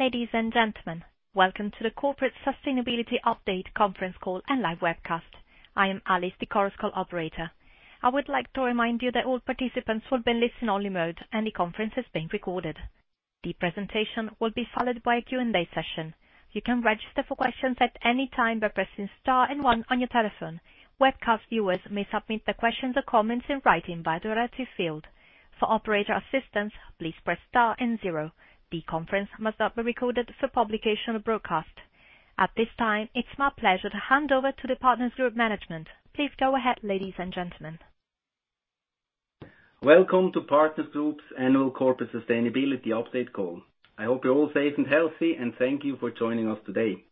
Ladies and gentlemen, welcome to the Corporate Sustainability Update Conference Call and live webcast. I am Alice, the conference call operator. I would like to remind you that all participants will be in listen-only mode, and the conference is being recorded. The presentation will be followed by a Q&A session. You can register for questions at any time by pressing star and one on your telephone. Webcast viewers may submit their questions or comments in writing via the relative field. For operator assistance, please press star and zero. The conference must not be recorded for publication or broadcast. At this time, it is my pleasure to hand over to the Partners Group management. Please go ahead, ladies and gentlemen. Welcome to Partners Group's annual corporate sustainability update call. I hope you're all safe and healthy, and thank you for joining us today.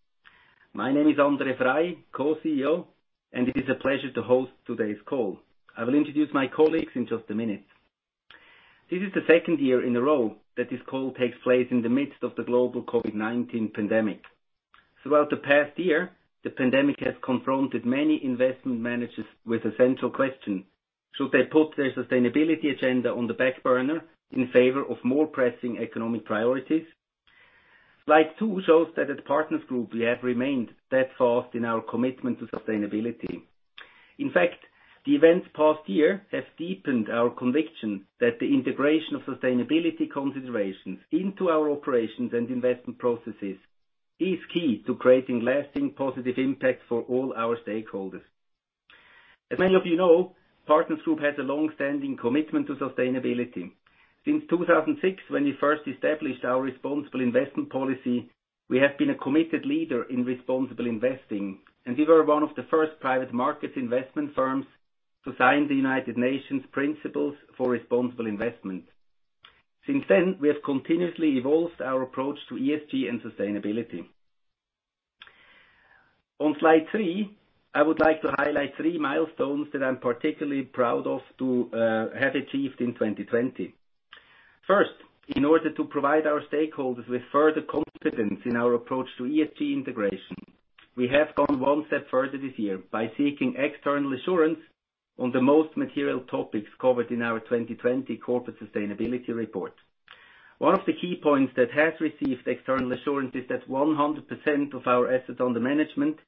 My name is André Frei, Co-Chief Executive Officer, and it is a pleasure to host today's call. I will introduce my colleagues in just a minute. This is the second year in a row that this call takes place in the midst of the global COVID-19 pandemic. Throughout the past year, the pandemic has confronted many investment managers with a central question: Should they put their sustainability agenda on the back burner in favor of more pressing economic priorities? Slide two shows that at Partners Group, we have remained steadfast in our commitment to sustainability. In fact, the events of the past year have deepened our conviction that the integration of sustainability considerations into our operations and investment processes is key to creating lasting positive impact for all our stakeholders. As many of you know, Partners Group has a long-standing commitment to sustainability. Since 2006, when we first established our responsible investment policy, we have been a committed leader in responsible investing, and we were one of the first private markets investment firms to sign the United Nations Principles for Responsible Investment. Since then, we have continuously evolved our approach to ESG and sustainability. On slide three, I would like to highlight three milestones that I'm particularly proud of to have achieved in 2020. First, in order to provide our stakeholders with further confidence in our approach to ESG integration, we have gone one step further this year by seeking external assurance on the most material topics covered in our 2020 corporate sustainability report. One of the key points that has received external assurance is that 100% of our assets under management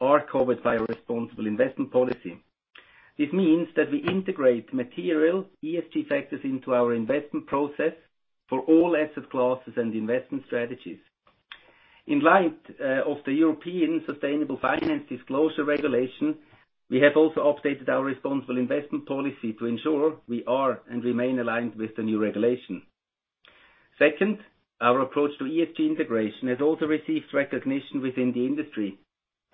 are covered by a responsible investment policy. This means that we integrate material ESG factors into our investment process for all asset classes and investment strategies. In light of the European Sustainable Finance Disclosure Regulation, we have also updated our responsible investment policy to ensure we are and remain aligned with the new regulation. Second, our approach to ESG integration has also received recognition within the industry,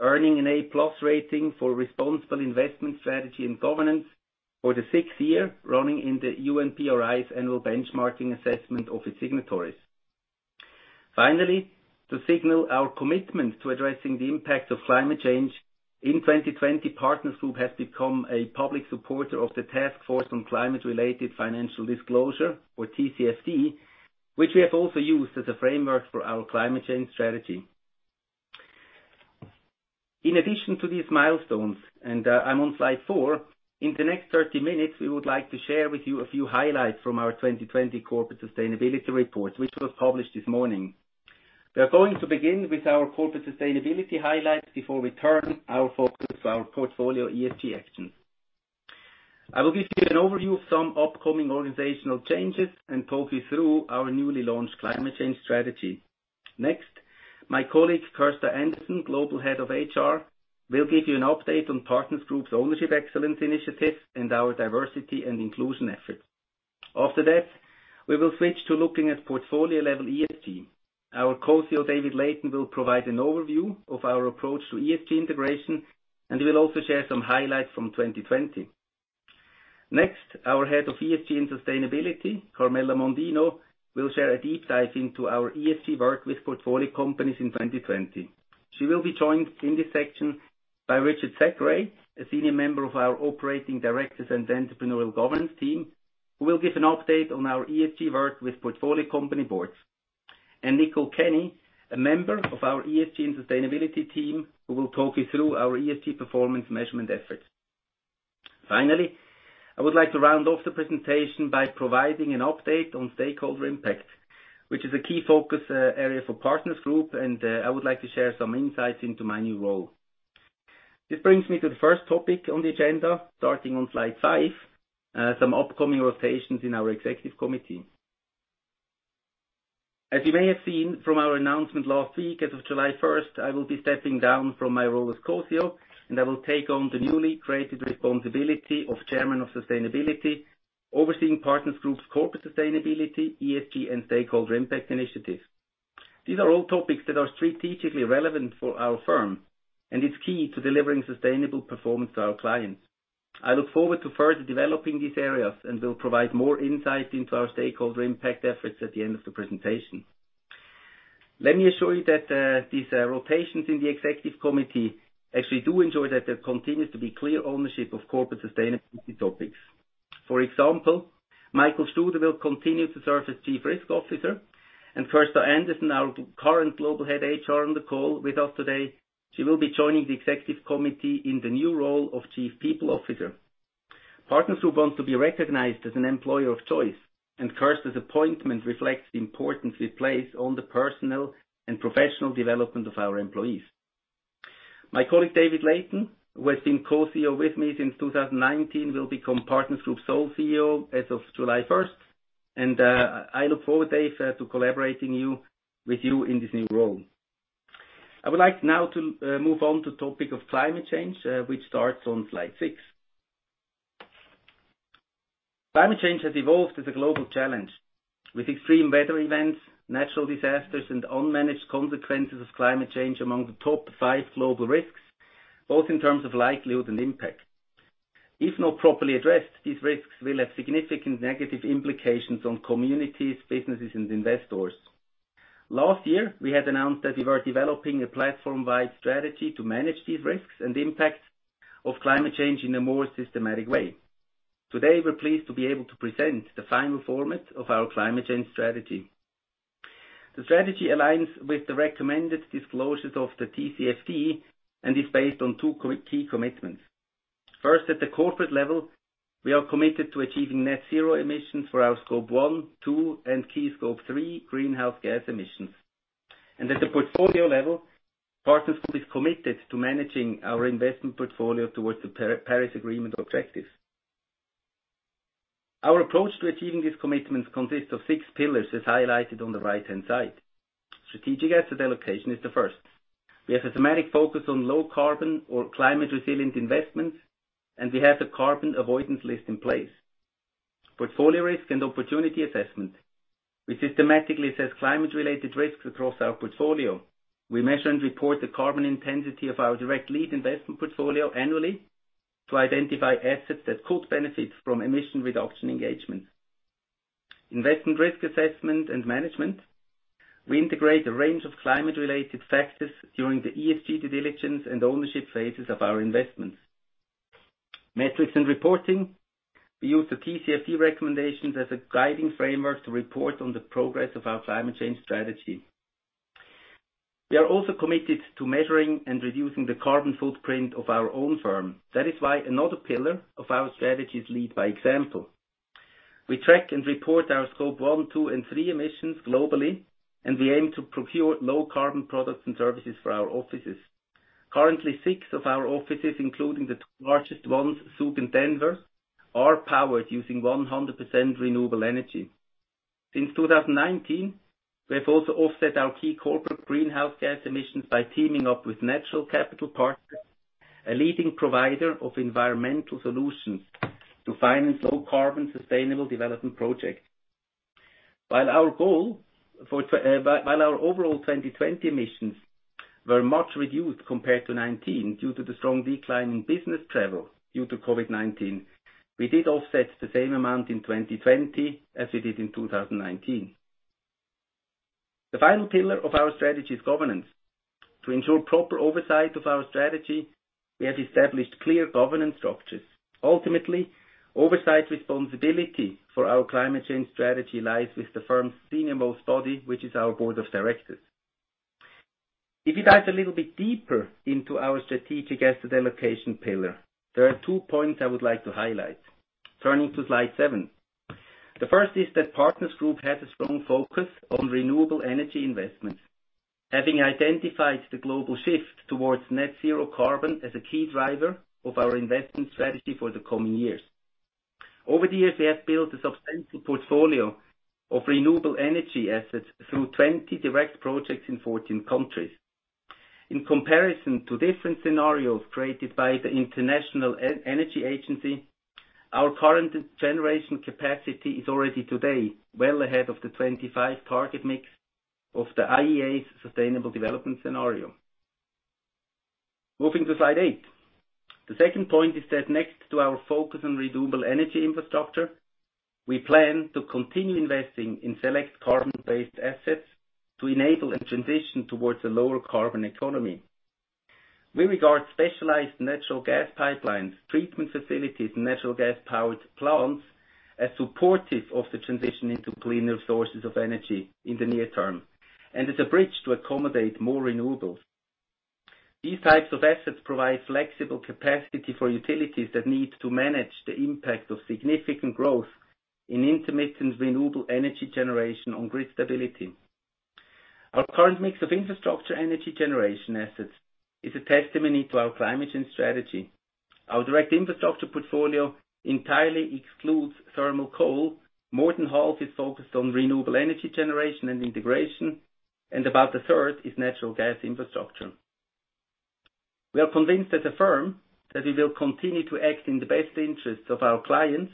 earning an A+ rating for responsible investment strategy and governance for the sixth year running in the UNPRI's annual benchmarking assessment of its signatories. Finally, to signal our commitment to addressing the impact of climate change, in 2020, Partners Group has become a public supporter of the Task Force on Climate-related Financial Disclosures, or TCFD, which we have also used as a framework for our climate change strategy. In addition to these milestones, and I'm on slide four, in the next 30 minutes, we would like to share with you a few highlights from our 2020 corporate sustainability report, which was published this morning. We are going to begin with our corporate sustainability highlights before we turn our focus to our portfolio ESG actions. I will give you an overview of some upcoming organizational changes and talk you through our newly launched climate change strategy. Next, my colleague, Kirsta Anderson, global head of HR, will give you an update on Partners Group's Ownership Excellence initiative and our diversity and inclusion efforts. After that, we will switch to looking at portfolio-level ESG. Our Co-CEO, David Layton, will provide an overview of our approach to ESG integration, and he will also share some highlights from 2020. Next, our Head of ESG and Sustainability, Carmela Mondino, will share a deep dive into our ESG work with portfolio companies in 2020. She will be joined in this section by Richard Thackray, a senior member of our Operating Directors & Entrepreneurial Governance team, who will give an update on our ESG work with portfolio company boards, and Nicole Kenny, a member of our ESG and sustainability team, who will talk you through our ESG performance measurement efforts. Finally, I would like to round off the presentation by providing an update on stakeholder impact, which is a key focus area for Partners Group, and I would like to share some insights into my new role. This brings me to the first topic on the agenda, starting on slide five, some upcoming rotations in our executive committee. As you may have seen from our announcement last week, as of July 1st, I will be stepping down from my role as co-CEO, I will take on the newly created responsibility of Chairman of Sustainability, overseeing Partners Group's corporate sustainability, ESG, and stakeholder impact initiatives. These are all topics that are strategically relevant for our firm and is key to delivering sustainable performance to our clients. I look forward to further developing these areas and will provide more insight into our stakeholder impact efforts at the end of the presentation. Let me assure you that these rotations in the executive committee actually do ensure that there continues to be clear ownership of corporate sustainability topics. For example, Michael Studer will continue to serve as chief risk officer, and Kirsta Anderson, our current Global Head HR on the call with us today, she will be joining the executive committee in the new role of chief people officer. Partners Group wants to be recognized as an employer of choice, and Kirsta's appointment reflects the importance we place on the personal and professional development of our employees. My colleague, David Layton, who has been co-CEO with me since 2019, will become Partners Group's sole CEO as of July 1st, and I look forward, Dave, to collaborating with you in this new role. I would like now to move on to topic of climate change, which starts on slide six. Climate change has evolved as a global challenge, with extreme weather events, natural disasters, and unmanaged consequences of climate change among the top five global risks, both in terms of likelihood and impact. If not properly addressed, these risks will have significant negative implications on communities, businesses, and investors. Last year, we had announced that we were developing a platform-wide strategy to manage these risks and the impact of climate change in a more systematic way. Today, we're pleased to be able to present the final format of our climate change strategy. The strategy aligns with the recommended disclosures of the TCFD and is based on two key commitments. First, at the corporate level, we are committed to achieving net zero emissions for our Scope 1, 2, and key Scope 3 greenhouse gas emissions. At the portfolio level, Partners Group is committed to managing our investment portfolio towards the Paris Agreement objectives. Our approach to achieving these commitments consists of six pillars, as highlighted on the right-hand side. Strategic asset allocation is the first. We have a thematic focus on low carbon or climate resilient investments, and we have the carbon avoidance list in place. Portfolio risk and opportunity assessment. We systematically assess climate-related risks across our portfolio. We measure and report the carbon intensity of our direct lead investment portfolio annually to identify assets that could benefit from emission reduction engagement. Investment risk assessment and management. We integrate a range of climate-related factors during the ESG due diligence and ownership phases of our investments. Metrics and reporting. We use the TCFD recommendations as a guiding framework to report on the progress of our climate change strategy. We are also committed to measuring and reducing the carbon footprint of our own firm. That is why another pillar of our strategy is Lead by Example. We track and report our Scope 1, 2, and 3 emissions globally, and we aim to procure low carbon products and services for our offices. Currently, six of our offices, including the two largest ones, Zug and Denver, are powered using 100% renewable energy. Since 2019, we have also offset our key corporate greenhouse gas emissions by teaming up with Natural Capital Partners, a leading provider of environmental solutions, to finance low carbon sustainable development projects. While our overall 2020 emissions were much reduced compared to 2019, due to the strong decline in business travel due to COVID-19, we did offset the same amount in 2020 as we did in 2019. The final pillar of our strategy is governance. To ensure proper oversight of our strategy, we have established clear governance structures. Ultimately, oversight responsibility for our climate change strategy lies with the firm's senior-most body, which is our board of directors. If you dive a little bit deeper into our strategic asset allocation pillar, there are two points I would like to highlight. Turning to slide seven. The first is that Partners Group has a strong focus on renewable energy investments, having identified the global shift towards net zero carbon as a key driver of our investment strategy for the coming years. Over the years, we have built a substantial portfolio of renewable energy assets through 20 direct projects in 14 countries. In comparison to different scenarios created by the International Energy Agency, our current generation capacity is already today well ahead of the 25 target mix of the IEA's sustainable development scenario. Moving to slide eight. The second point is that next to our focus on renewable energy infrastructure, we plan to continue investing in select carbon-based assets to enable a transition towards a lower carbon economy. We regard specialized natural gas pipelines, treatment facilities, and natural gas-powered plants as supportive of the transition into cleaner sources of energy in the near term, and as a bridge to accommodate more renewables. These types of assets provide flexible capacity for utilities that need to manage the impact of significant growth in intermittent renewable energy generation on grid stability. Our current mix of infrastructure energy generation assets is a testimony to our climate change strategy. Our direct infrastructure portfolio entirely excludes thermal coal. More than half is focused on renewable energy generation and integration, and about a third is natural gas infrastructure. We are convinced as a firm that we will continue to act in the best interests of our clients,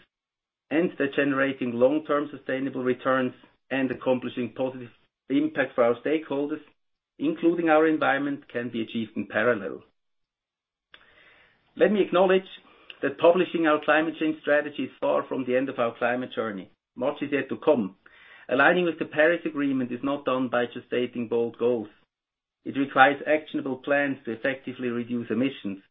and that generating long-term sustainable returns and accomplishing positive impact for our stakeholders, including our environment, can be achieved in parallel. Let me acknowledge that publishing our climate change strategy is far from the end of our climate journey. Much is yet to come. Aligning with the Paris Agreement is not done by just stating bold goals. It requires actionable plans to effectively reduce emissions.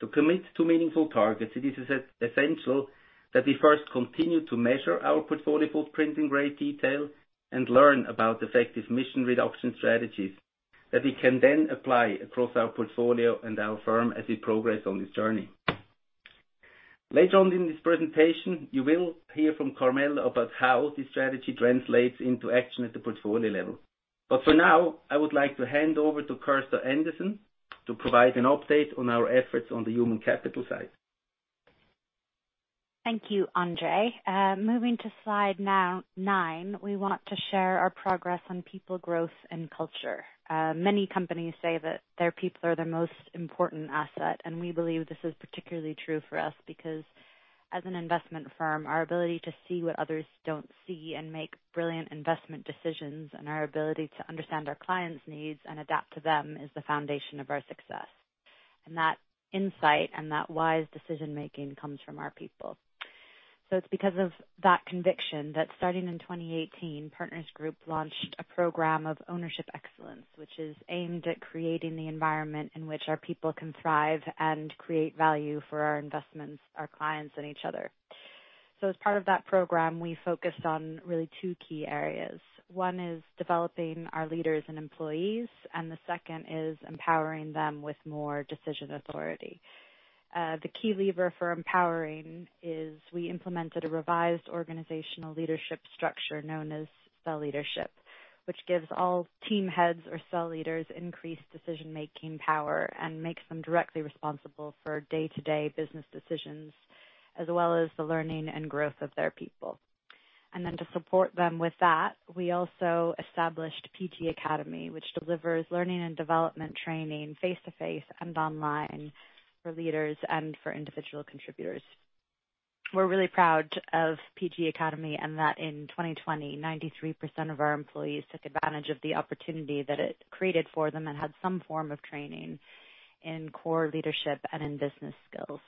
To commit to meaningful targets, it is essential that we first continue to measure our portfolio footprint in great detail and learn about effective emission reduction strategies that we can then apply across our portfolio and our firm as we progress on this journey. Later on in this presentation, you will hear from Carmela about how this strategy translates into action at the portfolio level. For now, I would like to hand over to Kirsta Anderson to provide an update on our efforts on the human capital side. Thank you, André. Moving to slide nine, we want to share our progress on people growth and culture. Many companies say that their people are their most important asset, and we believe this is particularly true for us, because as an investment firm, our ability to see what others don't see and make brilliant investment decisions, and our ability to understand our clients' needs and adapt to them, is the foundation of our success. That insight and that wise decision-making comes from our people. It's because of that conviction that starting in 2018, Partners Group launched a program of Ownership Excellence, which is aimed at creating the environment in which our people can thrive and create value for our investments, our clients, and each other. As part of that program, we focused on really two key areas. One is developing our leaders and employees, and the second is empowering them with more decision authority. The key lever for empowering is we implemented a revised organizational leadership structure known as Cell Leadership, which gives all team heads or cell leaders increased decision-making power and makes them directly responsible for day-to-day business decisions, as well as the learning and growth of their people. To support them with that, we also established PG Academy, which delivers learning and development training face-to-face and online for leaders and for individual contributors. We're really proud of PG Academy and that in 2020, 93% of our employees took advantage of the opportunity that it created for them and had some form of training in core leadership and in business skills.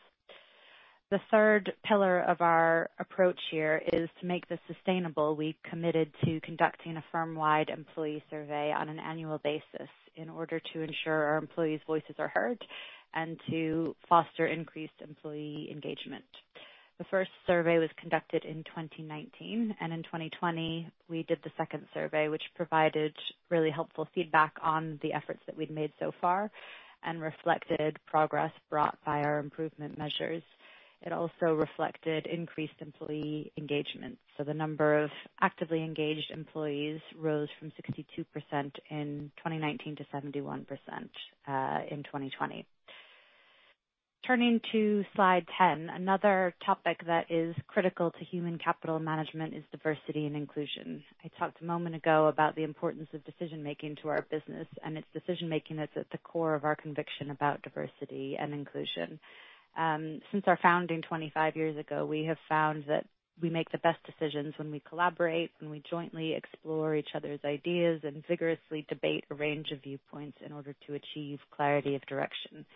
The third pillar of our approach here is to make this sustainable, we've committed to conducting a firm-wide employee survey on an annual basis in order to ensure our employees' voices are heard and to foster increased employee engagement. The first survey was conducted in 2019. In 2020 we did the second survey, which provided really helpful feedback on the efforts that we'd made so far and reflected progress brought by our improvement measures. It also reflected increased employee engagement. The number of actively engaged employees rose from 62% in 2019 to 71% in 2020. Turning to slide 10, another topic that is critical to human capital management is diversity and inclusion. I talked a moment ago about the importance of decision-making to our business. It's decision-making that's at the core of our conviction about diversity and inclusion. Since our founding 25 years ago, we have found that we make the best decisions when we collaborate, when we jointly explore each other's ideas, and vigorously debate a range of viewpoints in order to achieve clarity of direction.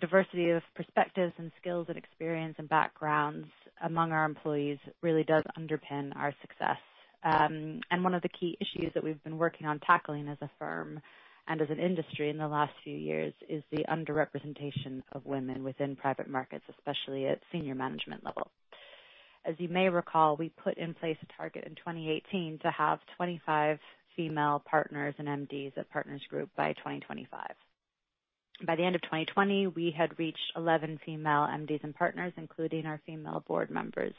Diversity of perspectives and skills and experience and backgrounds among our employees really does underpin our success. One of the key issues that we've been working on tackling as a firm and as an industry in the last few years is the underrepresentation of women within private markets, especially at senior management level. As you may recall, we put in place a target in 2018 to have 25 female partners and MDs at Partners Group by 2025. By the end of 2020, we had reached 11 female MDs and partners, including our female board members.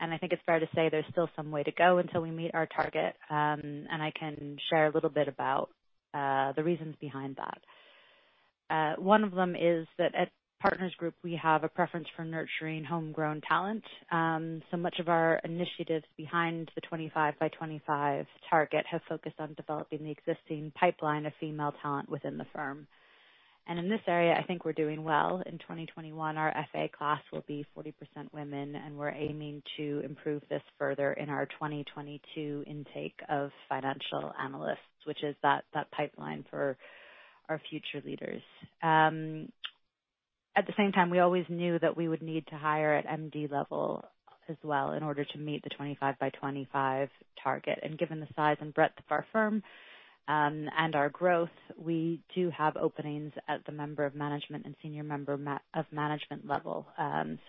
I think it's fair to say there's still some way to go until we meet our target, and I can share a little bit about the reasons behind that. One of them is that at Partners Group, we have a preference for nurturing homegrown talent. Much of our initiatives behind the 25 by 25 target have focused on developing the existing pipeline of female talent within the firm. In this area, I think we're doing well. In 2021, our FA class will be 40% women, and we're aiming to improve this further in our 2022 intake of financial analysts, which is that pipeline for our future leaders. At the same time, we always knew that we would need to hire at MD level as well in order to meet the 25 by 25 target. Given the size and breadth of our firm, and our growth, we do have openings at the member of management and senior member of management level.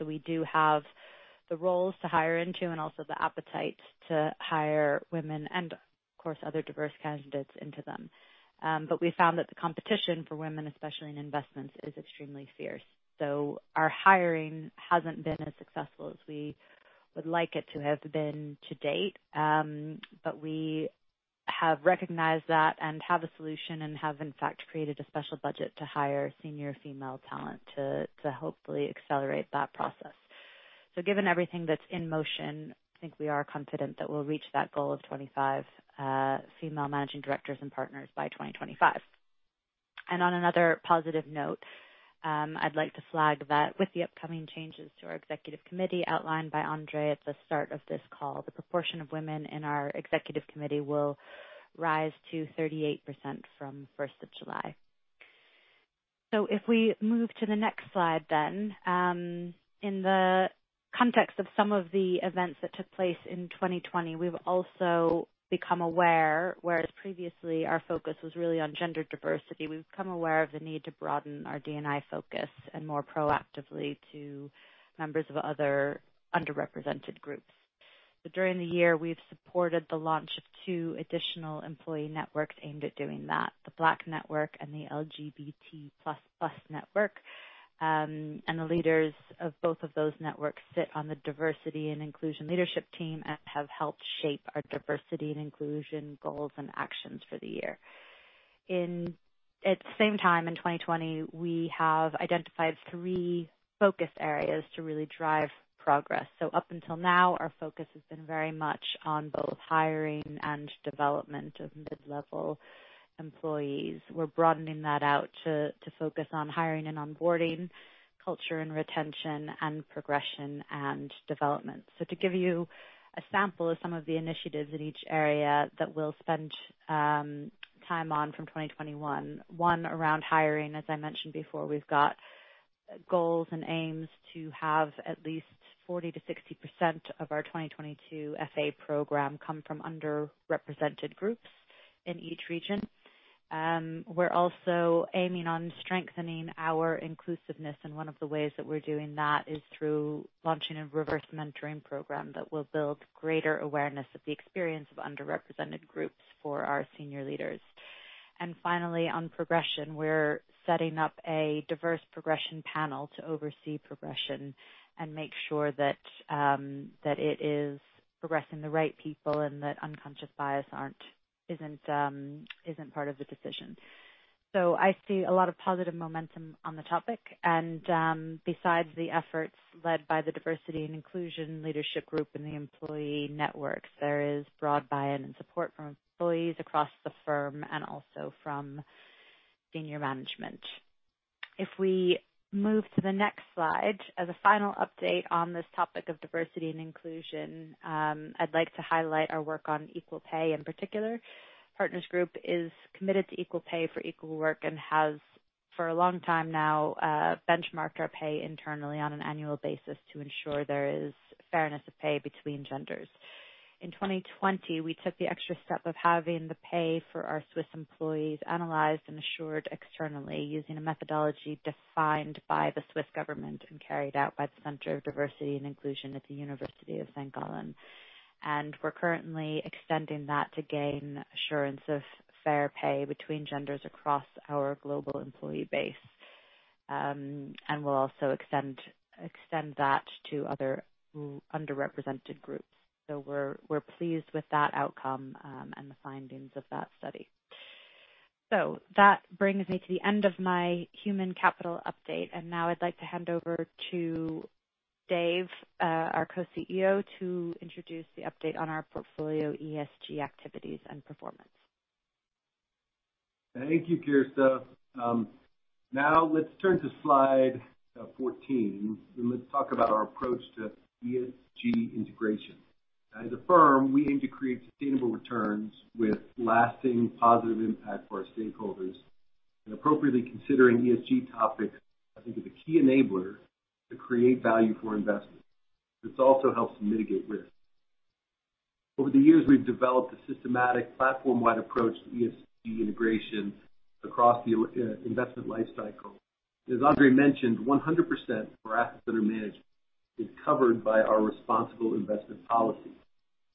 We do have the roles to hire into and also the appetite to hire women and, of course, other diverse candidates into them. We found that the competition for women, especially in investments, is extremely fierce. Our hiring hasn't been as successful as we would like it to have been to date. We have recognized that and have a solution and have, in fact, created a special budget to hire senior female talent to hopefully accelerate that process. Given everything that's in motion, I think we are confident that we'll reach that goal of 25 female managing directors and partners by 2025. On another positive note, I'd like to flag that with the upcoming changes to our executive committee outlined by André at the start of this call, the proportion of women in our executive committee will rise to 38% from the 1st of July. If we move to the next slide, in the context of some of the events that took place in 2020, we've also become aware, whereas previously our focus was really on gender diversity, we've become aware of the need to broaden our D&I focus and more proactively to members of other underrepresented groups. During the year, we've supported the launch of two additional employee networks aimed at doing that, the Black Network and the Pride Network. The leaders of both of those networks sit on the Diversity and Inclusion Leadership team and have helped shape our diversity and inclusion goals and actions for the year. At the same time, in 2020, we have identified three focus areas to really drive progress. Up until now, our focus has been very much on both hiring and development of mid-level employees. We are broadening that out to focus on hiring and onboarding, culture and retention, and progression and development. To give you a sample of some of the initiatives in each area that we will spend time on from 2021, one around hiring, as I mentioned before, we have got goals and aims to have at least 40%-60% of our 2022 FA program come from underrepresented groups in each region. We're also aiming on strengthening our inclusiveness, one of the ways that we're doing that is through launching a reverse mentoring program that will build greater awareness of the experience of underrepresented groups for our senior leaders. Finally, on progression, we're setting up a diverse progression panel to oversee progression and make sure that it is progressing the right people and that unconscious bias isn't part of the decision. I see a lot of positive momentum on the topic, and besides the efforts led by the Diversity and Inclusion Leadership and the employee networks, there is broad buy-in and support from employees across the firm and also from senior management. If we move to the next slide, as a final update on this topic of diversity and inclusion, I'd like to highlight our work on equal pay in particular. Partners Group is committed to equal pay for equal work and has, for a long time now, benchmarked our pay internally on an annual basis to ensure there is fairness of pay between genders. In 2020, we took the extra step of having the pay for our Swiss employees analyzed and assured externally using a methodology defined by the Swiss government and carried out by the Center of Diversity and Inclusion at the University of St.Gallen. We're currently extending that to gain assurance of fair pay between genders across our global employee base. We'll also extend that to other underrepresented groups. We're pleased with that outcome, and the findings of that study. That brings me to the end of my human capital update, and now I'd like to hand over to Dave, our Co-CEO, to introduce the update on our portfolio ESG activities and performance. Thank you, Kirsta. Now let's turn to slide 14, and let's talk about our approach to ESG integration. As a firm, we aim to create sustainable returns with lasting positive impact for our stakeholders. Appropriately considering ESG topics, I think, is a key enabler to create value for investors. This also helps mitigate risk. Over the years, we've developed a systematic platform-wide approach to ESG integration across the investment life cycle. As André mentioned, 100% of our assets that are managed is covered by our responsible investment policy, where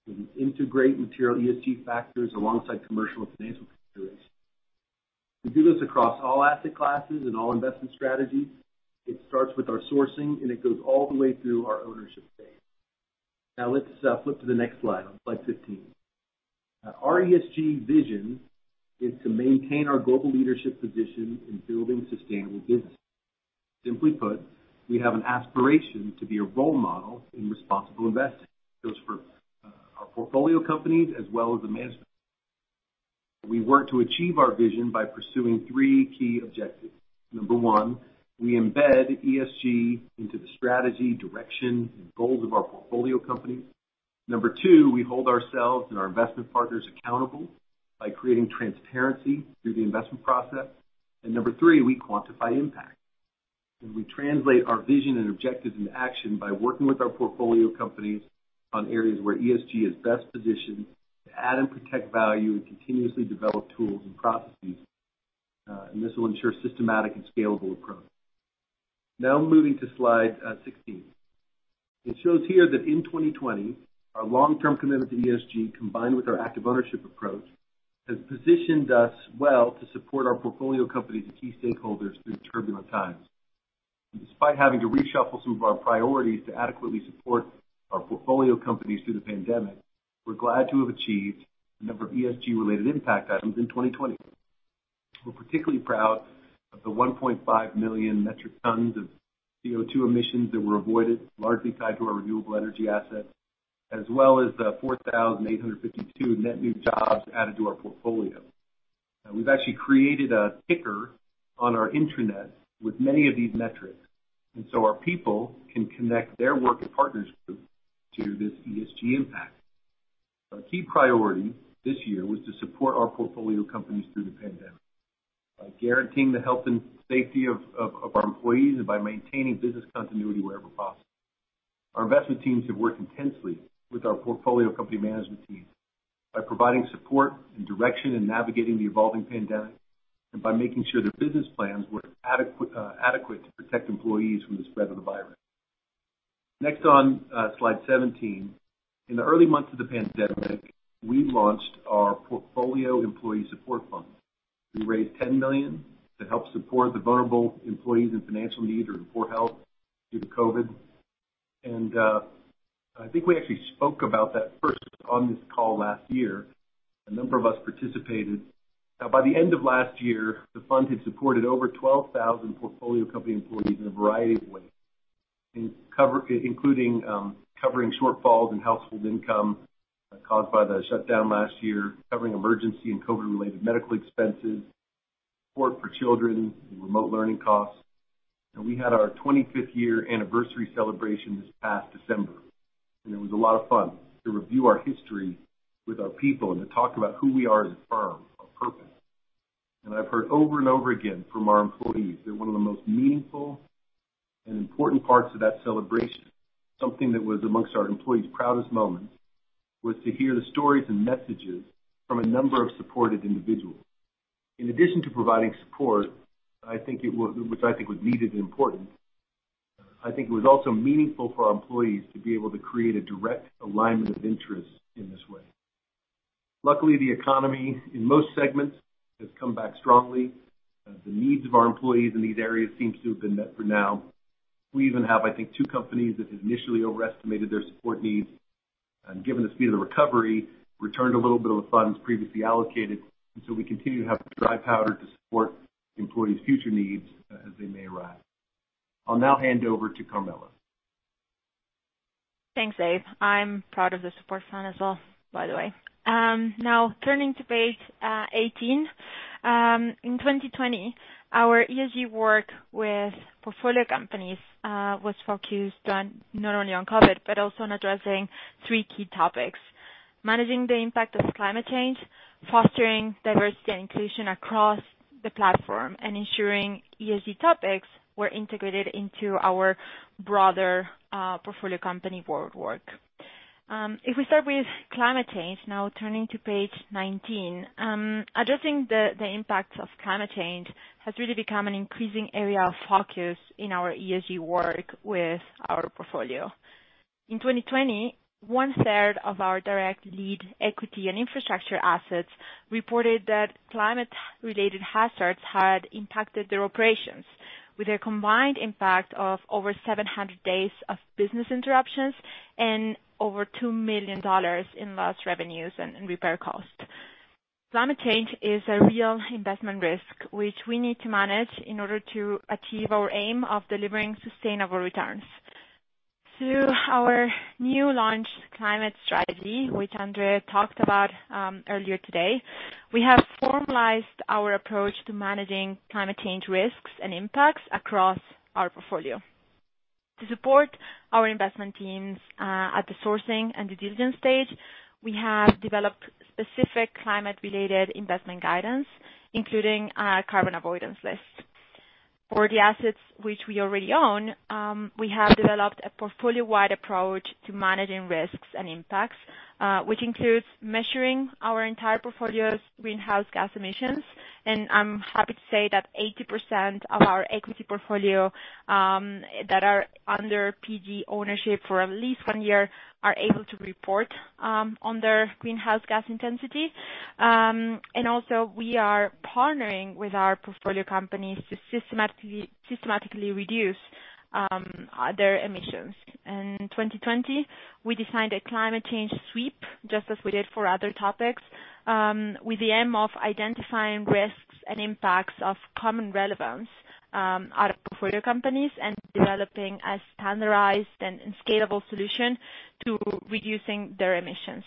we integrate material ESG factors alongside commercial and financial considerations. We do this across all asset classes and all investment strategies. It starts with our sourcing, and it goes all the way through our ownership phase. Now let's flip to the next slide 15. Our ESG vision is to maintain our global leadership position in building sustainable businesses. Simply put, we have an aspiration to be a role model in responsible investing, both for our portfolio companies as well as the management team. We work to achieve our vision by pursuing three key objectives. Number one, we embed ESG into the strategy, direction, and goals of our portfolio company. Number two, we hold ourselves and our investment partners accountable by creating transparency through the investment process. Number three, we quantify impact, and we translate our vision and objectives into action by working with our portfolio companies on areas where ESG is best positioned to add and protect value and continuously develop tools and processes. This will ensure systematic and scalable approach. Now moving to slide 16. It shows here that in 2020, our long-term commitment to ESG, combined with our active ownership approach, has positioned us well to support our portfolio companies and key stakeholders through turbulent times. Despite having to reshuffle some of our priorities to adequately support our portfolio companies through the pandemic, we're glad to have achieved a number of ESG-related impact items in 2020. We're particularly proud of the 1.5 million metric tons of CO2 emissions that were avoided, largely tied to our renewable energy assets, as well as the 4,852 net new jobs added to our portfolio. We've actually created a ticker on our intranet with many of these metrics, so our people can connect their work at Partners Group to this ESG impact. Our key priority this year was to support our portfolio companies through the pandemic by guaranteeing the health and safety of our employees and by maintaining business continuity wherever possible. Our investment teams have worked intensely with our portfolio company management teams by providing support and direction in navigating the evolving pandemic, and by making sure their business plans were adequate to protect employees from the spread of the virus. Next on slide 17. In the early months of the pandemic, we launched our portfolio employee support fund. We raised $10 million to help support the vulnerable employees in financial need or in poor health due to COVID. I think we actually spoke about that first on this call last year. A number of us participated. Now, by the end of last year, the fund had supported over 12,000 portfolio company employees in a variety of ways, including covering shortfalls in household income caused by the shutdown last year, covering emergency and COVID-related medical expenses, support for children, and remote learning costs. We had our 25th year anniversary celebration this past December, and it was a lot of fun to review our history with our people and to talk about who we are as a firm, our purpose. I've heard over and over again from our employees that one of the most meaningful and important parts of that celebration, something that was amongst our employees' proudest moments, was to hear the stories and messages from a number of supported individuals. In addition to providing support, which I think was needed and important, I think it was also meaningful for our employees to be able to create a direct alignment of interest in this way. Luckily, the economy in most segments has come back strongly. The needs of our employees in these areas seems to have been met for now. We even have, I think, two companies that had initially overestimated their support needs, and given the speed of the recovery, returned a little bit of the funds previously allocated, and so we continue to have dry powder to support employees' future needs as they may arise. I'll now hand over to Carmela. Thanks, Dave. I'm proud of the support fund as well, by the way. Now turning to page 18. In 2020, our ESG work with portfolio companies was focused not only on COVID, but also on addressing three key topics: managing the impact of climate change, fostering diversity and inclusion across the platform, and ensuring ESG topics were integrated into our broader portfolio company board work. If we start with climate change, now turning to page 19. Addressing the impacts of climate change has really become an increasing area of focus in our ESG work with our portfolio. In 2020, one-third of our direct lead equity and infrastructure assets reported that climate-related hazards had impacted their operations with a combined impact of over 700 days of business interruptions and over $2 million in lost revenues and repair costs. Climate change is a real investment risk which we need to manage in order to achieve our aim of delivering sustainable returns. Through our new launched climate strategy, which André talked about earlier today, we have formalized our approach to managing climate change risks and impacts across our portfolio. To support our investment teams at the sourcing and due diligence stage, we have developed specific climate-related investment guidance, including a carbon avoidance list. For the assets which we already own, we have developed a portfolio-wide approach to managing risks and impacts, which includes measuring our entire portfolio's greenhouse gas emissions, and I'm happy to say that 80% of our equity portfolio that are under PG ownership for at least one year are able to report on their greenhouse gas intensity. We are partnering with our portfolio companies to systematically reduce their emissions. In 2020, we designed a climate change sweep, just as we did for other topics, with the aim of identifying risks and impacts of common relevance out of portfolio companies and developing a standardized and scalable solution to reducing their emissions.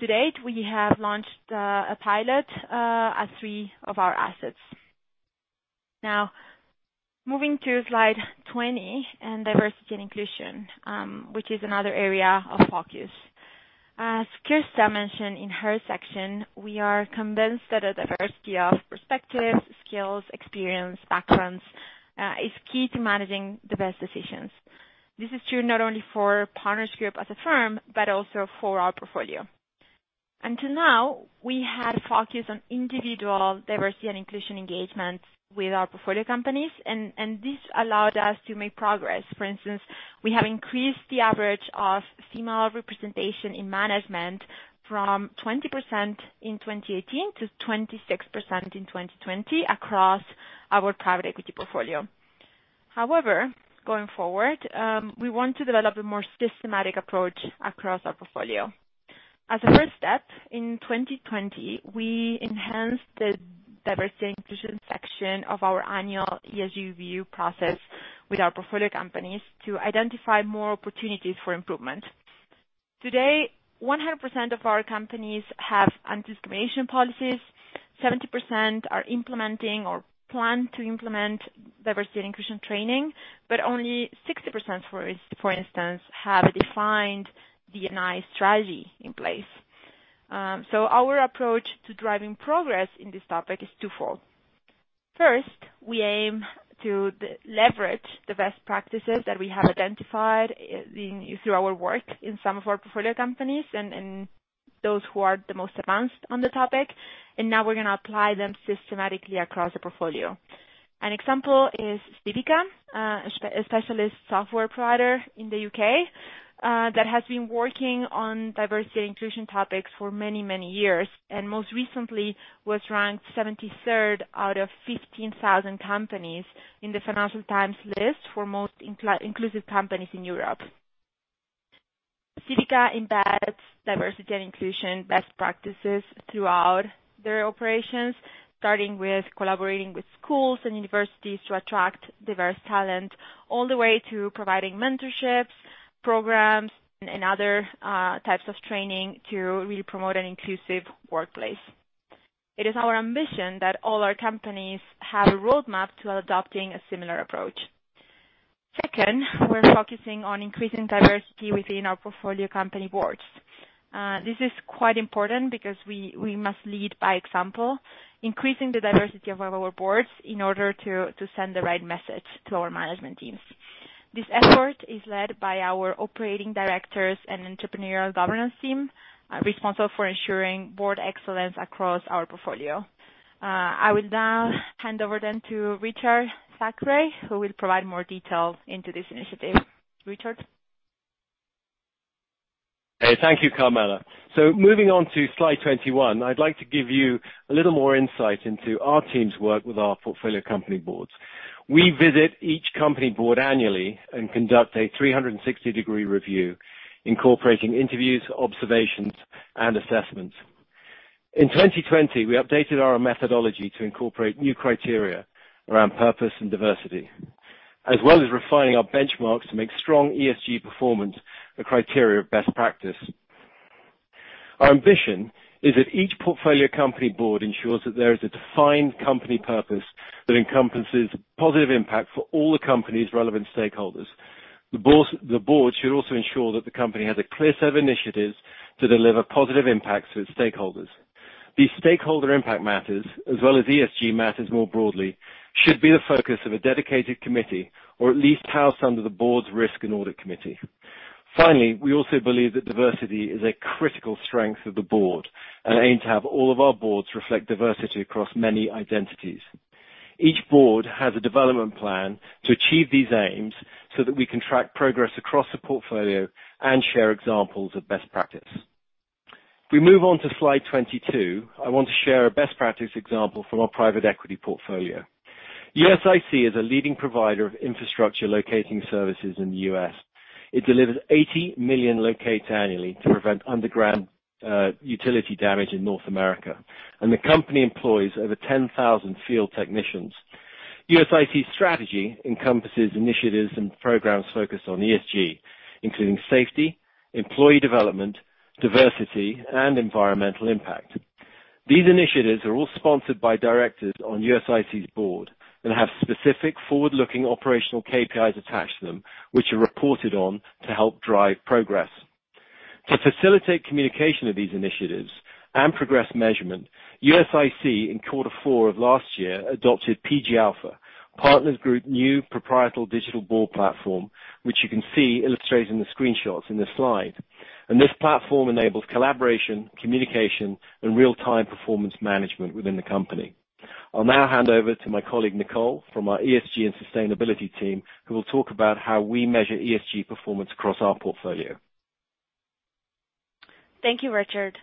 To date, we have launched a pilot at three of our assets. Moving to slide 20 in Diversity and Inclusion, which is another area of focus. As Kirsta mentioned in her section, we are convinced that a diversity of perspectives, skills, experience, backgrounds is key to managing the best decisions. This is true not only for Partners Group as a firm, but also for our portfolio. Until now, we had focused on individual Diversity and Inclusion engagements with our portfolio companies, this allowed us to make progress. For instance, we have increased the average of female representation in management from 20% in 2018 to 26% in 2020 across our private equity portfolio. However, going forward, we want to develop a more systematic approach across our portfolio. As a first step, in 2020, we enhanced the Diversity and Inclusion section of our annual ESG review process with our portfolio companies to identify more opportunities for improvement. Today, 100% of our companies have anti-discrimination policies, 70% are implementing or plan to implement Diversity and Inclusion training, but only 60%, for instance, have a defined D&I strategy in place. Our approach to driving progress in this topic is twofold. First, we aim to leverage the best practices that we have identified through our work in some of our portfolio companies and those who are the most advanced on the topic, and now we're going to apply them systematically across the portfolio. An example is Civica, a specialist software provider in the U.K. that has been working on diversity and inclusion topics for many years, and most recently was ranked 73rd out of 15,000 companies in the Financial Times list for most inclusive companies in Europe. Civica embeds diversity and inclusion best practices throughout their operations, starting with collaborating with schools and universities to attract diverse talent, all the way to providing mentorships, programs, and other types of training to really promote an inclusive workplace. It is our ambition that all our companies have a roadmap to adopting a similar approach. Second, we're focusing on increasing diversity within our portfolio company boards. This is quite important because we must lead by example, increasing the diversity of our boards in order to send the right message to our management teams. This effort is led by our Operating Directors & Entrepreneurial Governance team, responsible for ensuring board excellence across our portfolio. I will now hand over then to Richard Thackray, who will provide more details into this initiative. Richard? Thank you, Carmela. Moving on to slide 21, I'd like to give you a little more insight into our team's work with our portfolio company boards. We visit each company board annually and conduct a 360-degree review incorporating interviews, observations, and assessments. In 2020, we updated our methodology to incorporate new criteria around purpose and diversity, as well as refining our benchmarks to make strong ESG performance a criteria of best practice. Our ambition is that each portfolio company board ensures that there is a defined company purpose that encompasses positive impact for all the company's relevant stakeholders. The board should also ensure that the company has a clear set of initiatives to deliver positive impacts to its stakeholders. These stakeholder impact matters, as well as ESG matters more broadly, should be the focus of a dedicated committee, or at least housed under the board's risk and audit committee. Finally, we also believe that diversity is a critical strength of the board and aim to have all of our boards reflect diversity across many identities. Each board has a development plan to achieve these aims so that we can track progress across the portfolio and share examples of best practice. If we move on to slide 22, I want to share a best practice example from our private equity portfolio. USIC is a leading provider of infrastructure locating services in the U.S. It delivers 80 million locates annually to prevent underground utility damage in North America, and the company employs over 10,000 field technicians. USIC's strategy encompasses initiatives and programs focused on ESG, including safety, employee development, diversity, and environmental impact. These initiatives are all sponsored by directors on USIC's board and have specific forward-looking operational KPIs attached to them, which are reported on to help drive progress. To facilitate communication of these initiatives and progress measurement, USIC, in quarter four of last year, adopted PG Alpha, Partners Group new proprietary digital board platform, which you can see illustrated in the screenshots in this slide. This platform enables collaboration, communication, and real-time performance management within the company. I'll now hand over to my colleague, Nicole, from our ESG and Sustainability team, who will talk about how we measure ESG performance across our portfolio. Thank you, Richard.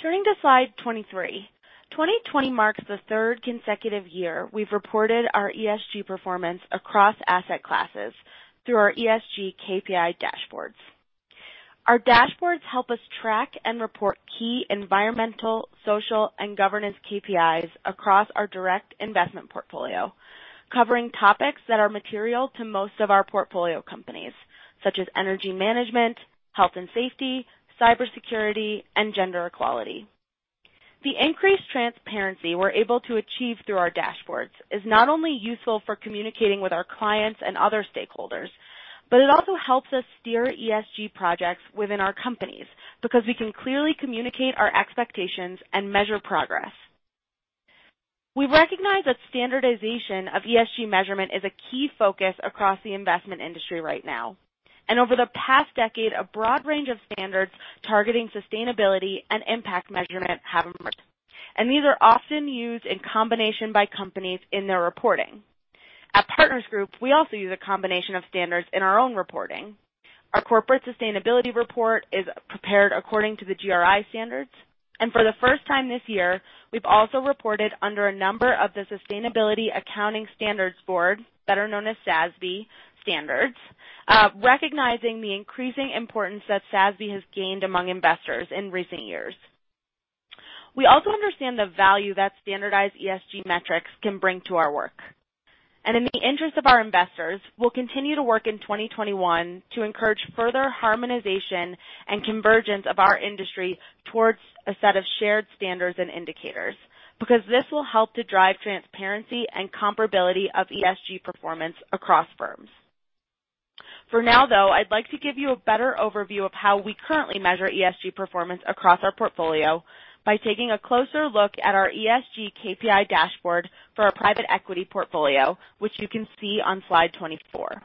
Turning to slide 23. 2020 marks the third consecutive year we've reported our ESG performance across asset classes through our ESG KPI dashboards. Our dashboards help us track and report key environmental, social, and governance KPIs across our direct investment portfolio, covering topics that are material to most of our portfolio companies, such as energy management, health and safety, cybersecurity, and gender equality. The increased transparency we're able to achieve through our dashboards is not only useful for communicating with our clients and other stakeholders, it also helps us steer ESG projects within our companies because we can clearly communicate our expectations and measure progress. We recognize that standardization of ESG measurement is a key focus across the investment industry right now. Over the past decade, a broad range of standards targeting sustainability and impact measurement have emerged, and these are often used in combination by companies in their reporting. At Partners Group, we also use a combination of standards in our own reporting. Our corporate sustainability report is prepared according to the GRI standards. For the first time this year, we've also reported under a number of the Sustainability Accounting Standards Board, better known as SASB standards, recognizing the increasing importance that SASB has gained among investors in recent years. We also understand the value that standardized ESG metrics can bring to our work. In the interest of our investors, we'll continue to work in 2021 to encourage further harmonization and convergence of our industry towards a set of shared standards and indicators, because this will help to drive transparency and comparability of ESG performance across firms. For now, though, I'd like to give you a better overview of how we currently measure ESG performance across our portfolio by taking a closer look at our ESG KPI dashboard for our private equity portfolio, which you can see on slide 24.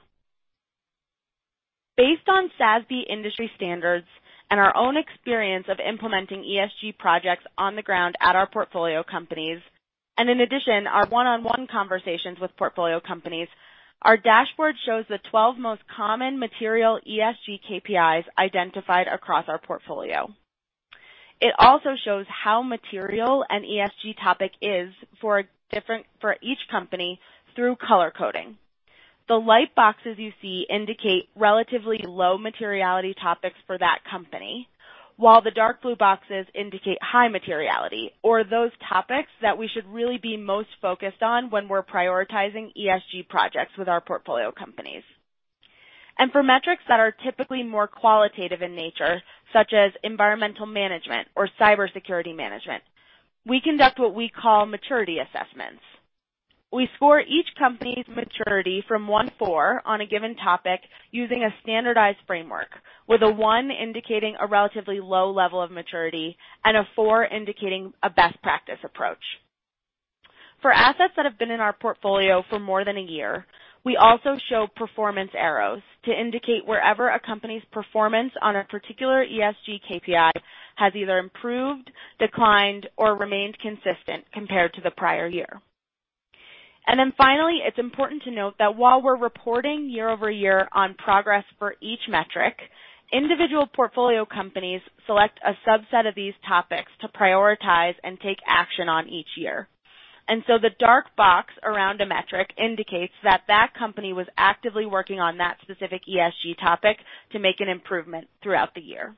Based on SASB industry standards and our own experience of implementing ESG projects on the ground at our portfolio companies, and in addition, our one-on-one conversations with portfolio companies, our dashboard shows the 12 most common material ESG KPIs identified across our portfolio. It also shows how material an ESG topic is for each company through color coding. The light boxes you see indicate relatively low materiality topics for that company, while the dark blue boxes indicate high materiality or those topics that we should really be most focused on when we're prioritizing ESG projects with our portfolio companies. For metrics that are typically more qualitative in nature, such as environmental management or cybersecurity management, we conduct what we call maturity assessments. We score each company's maturity from one-four on a given topic using a standardized framework, with a one indicating a relatively low level of maturity and a four indicating a best practice approach. For assets that have been in our portfolio for more than a year, we also show performance arrows to indicate wherever a company's performance on a particular ESG KPI has either improved, declined, or remained consistent compared to the prior year. Then finally, it's important to note that while we're reporting year-over-year on progress for each metric, individual portfolio companies select a subset of these topics to prioritize and take action on each year. So the dark box around a metric indicates that that company was actively working on that specific ESG topic to make an improvement throughout the year.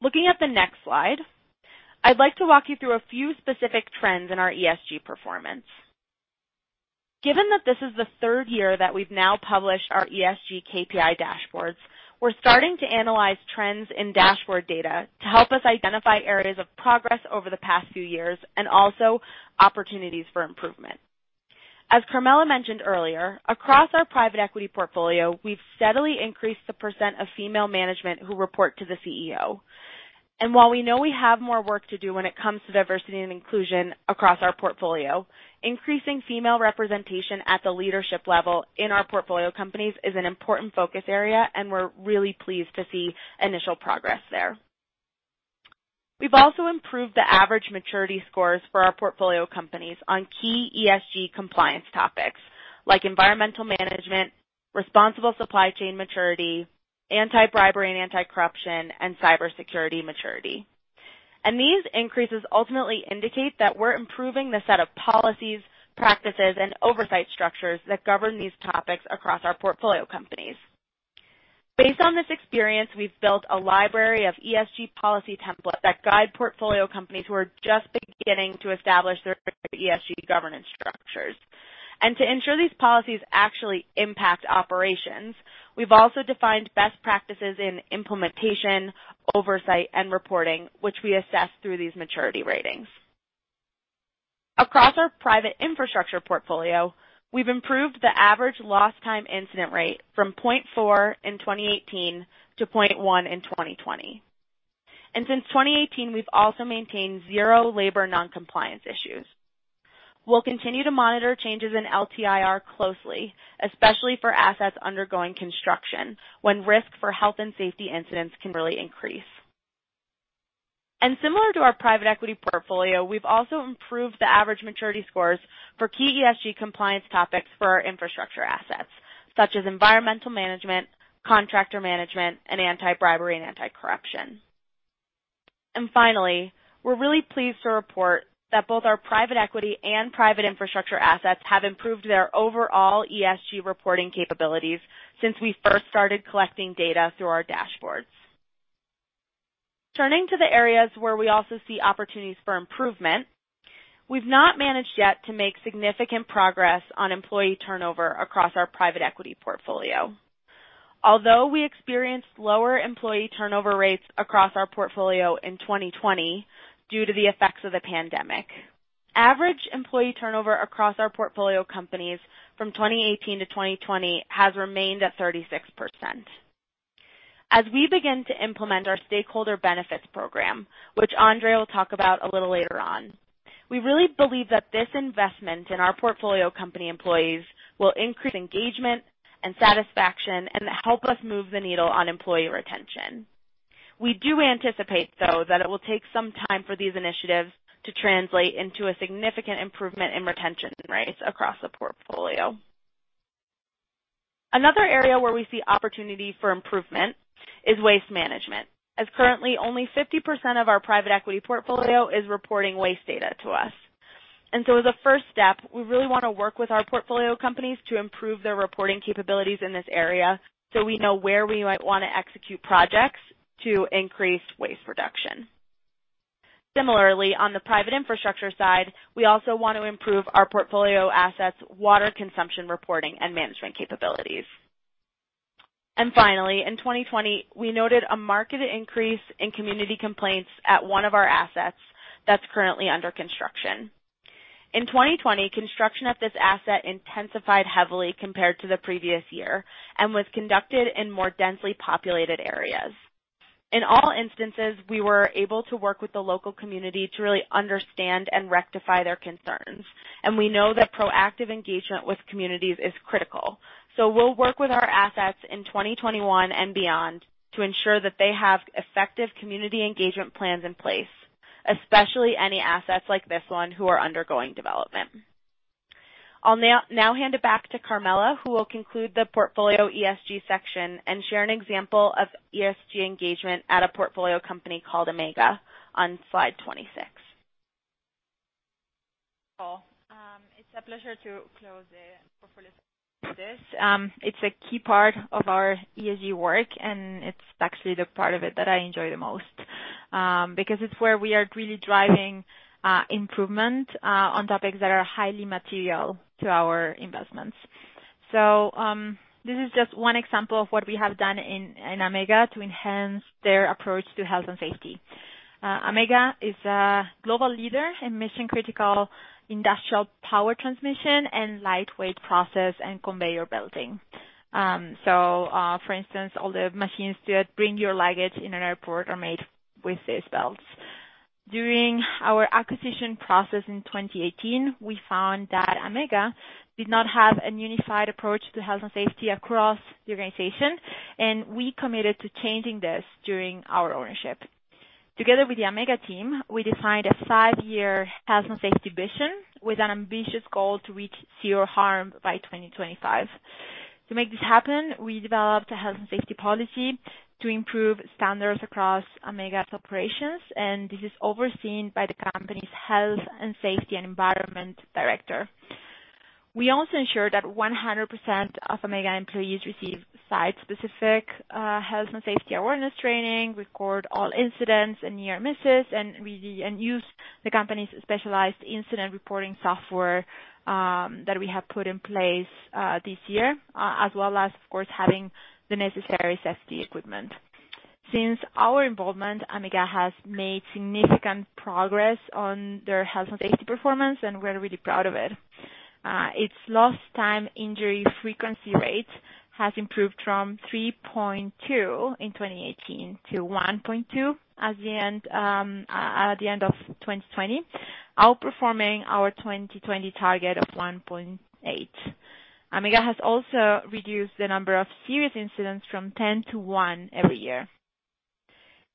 Looking at the next slide, I'd like to walk you through a few specific trends in our ESG performance. Given that this is the third year that we've now published our ESG KPI dashboards, we're starting to analyze trends in dashboard data to help us identify areas of progress over the past few years and also opportunities for improvement. As Carmela mentioned earlier, across our private equity portfolio, we've steadily increased the percent of female management who report to the CEO. While we know we have more work to do when it comes to Diversity and Inclusion across our portfolio, increasing female representation at the leadership level in our portfolio companies is an important focus area, and we're really pleased to see initial progress there. We've also improved the average maturity scores for our portfolio companies on key ESG compliance topics like environmental management, responsible supply chain maturity, anti-bribery and anti-corruption, and cybersecurity maturity. These increases ultimately indicate that we're improving the set of policies, practices, and oversight structures that govern these topics across our portfolio companies. Based on this experience, we've built a library of ESG policy templates that guide portfolio companies who are just beginning to establish their ESG governance structures. To ensure these policies actually impact operations, we've also defined best practices in implementation, oversight, and reporting, which we assess through these maturity ratings. Across our private infrastructure portfolio, we've improved the average lost time incident rate from 0.4 in 2018 to 0.1 in 2020. Since 2018, we've also maintained 0 labor non-compliance issues. We'll continue to monitor changes in LTIR closely, especially for assets undergoing construction, when risk for health and safety incidents can really increase. Similar to our private equity portfolio, we've also improved the average maturity scores for key ESG compliance topics for our infrastructure assets, such as environmental management, contractor management, and anti-bribery and anti-corruption. Finally, we're really pleased to report that both our private equity and private infrastructure assets have improved their overall ESG reporting capabilities since we first started collecting data through our dashboards. Turning to the areas where we also see opportunities for improvement, we've not managed yet to make significant progress on employee turnover across our private equity portfolio. Although we experienced lower employee turnover rates across our portfolio in 2020 due to the effects of the pandemic, average employee turnover across our portfolio companies from 2018 to 2020 has remained at 36%. As we begin to implement our stakeholder benefits program, which André will talk about a little later on, we really believe that this investment in our portfolio company employees will increase engagement and satisfaction and help us move the needle on employee retention. We do anticipate, though, that it will take some time for these initiatives to translate into a significant improvement in retention rates across the portfolio. Another area where we see opportunity for improvement is waste management, as currently only 50% of our private equity portfolio is reporting waste data to us. As a first step, we really want to work with our portfolio companies to improve their reporting capabilities in this area so we know where we might want to execute projects to increase waste reduction. Similarly, on the private infrastructure side, we also want to improve our portfolio assets' water consumption reporting and management capabilities. Finally, in 2020, we noted a marked increase in community complaints at one of our assets that's currently under construction. In 2020, construction of this asset intensified heavily compared to the previous year and was conducted in more densely populated areas. In all instances, we were able to work with the local community to really understand and rectify their concerns. We know that proactive engagement with communities is critical. We'll work with our assets in 2021 and beyond to ensure that they have effective community engagement plans in place, especially any assets like this one who are undergoing development. I'll now hand it back to Carmela, who will conclude the portfolio ESG section and share an example of ESG engagement at a portfolio company called AMMEGA on slide 26. Cool. It's a pleasure to close the portfolio this. It's a key part of our ESG work, and it's actually the part of it that I enjoy the most, because it's where we are really driving improvement on topics that are highly material to our investments. This is just one example of what we have done in AMMEGA to enhance their approach to health and safety. AMMEGA is a global leader in mission-critical industrial power transmission and lightweight process and conveyor belting. For instance, all the machines that bring your luggage in an airport are made with these belts. During our acquisition process in 2018, we found that AMMEGA did not have a unified approach to health and safety across the organization, and we committed to changing this during our ownership. Together with the AMMEGA team, we defined a five-year health and safety vision with an ambitious goal to reach zero harm by 2025. To make this happen, we developed a health and safety policy to improve standards across AMMEGA's operations, and this is overseen by the company's health and safety and environment director. We also ensure that 100% of AMMEGA employees receive site-specific health and safety awareness training, record all incidents and near misses, and we use the company's specialized incident reporting software, that we have put in place this year, as well as, of course, having the necessary safety equipment. Since our involvement, AMMEGA has made significant progress on their health and safety performance, and we're really proud of it. Its lost time injury frequency rate has improved from 3.2 in 2018 to 1.2 at the end of 2020, outperforming our 2020 target of 1.8. AMMEGA has also reduced the number of serious incidents from 10 to 1 every year.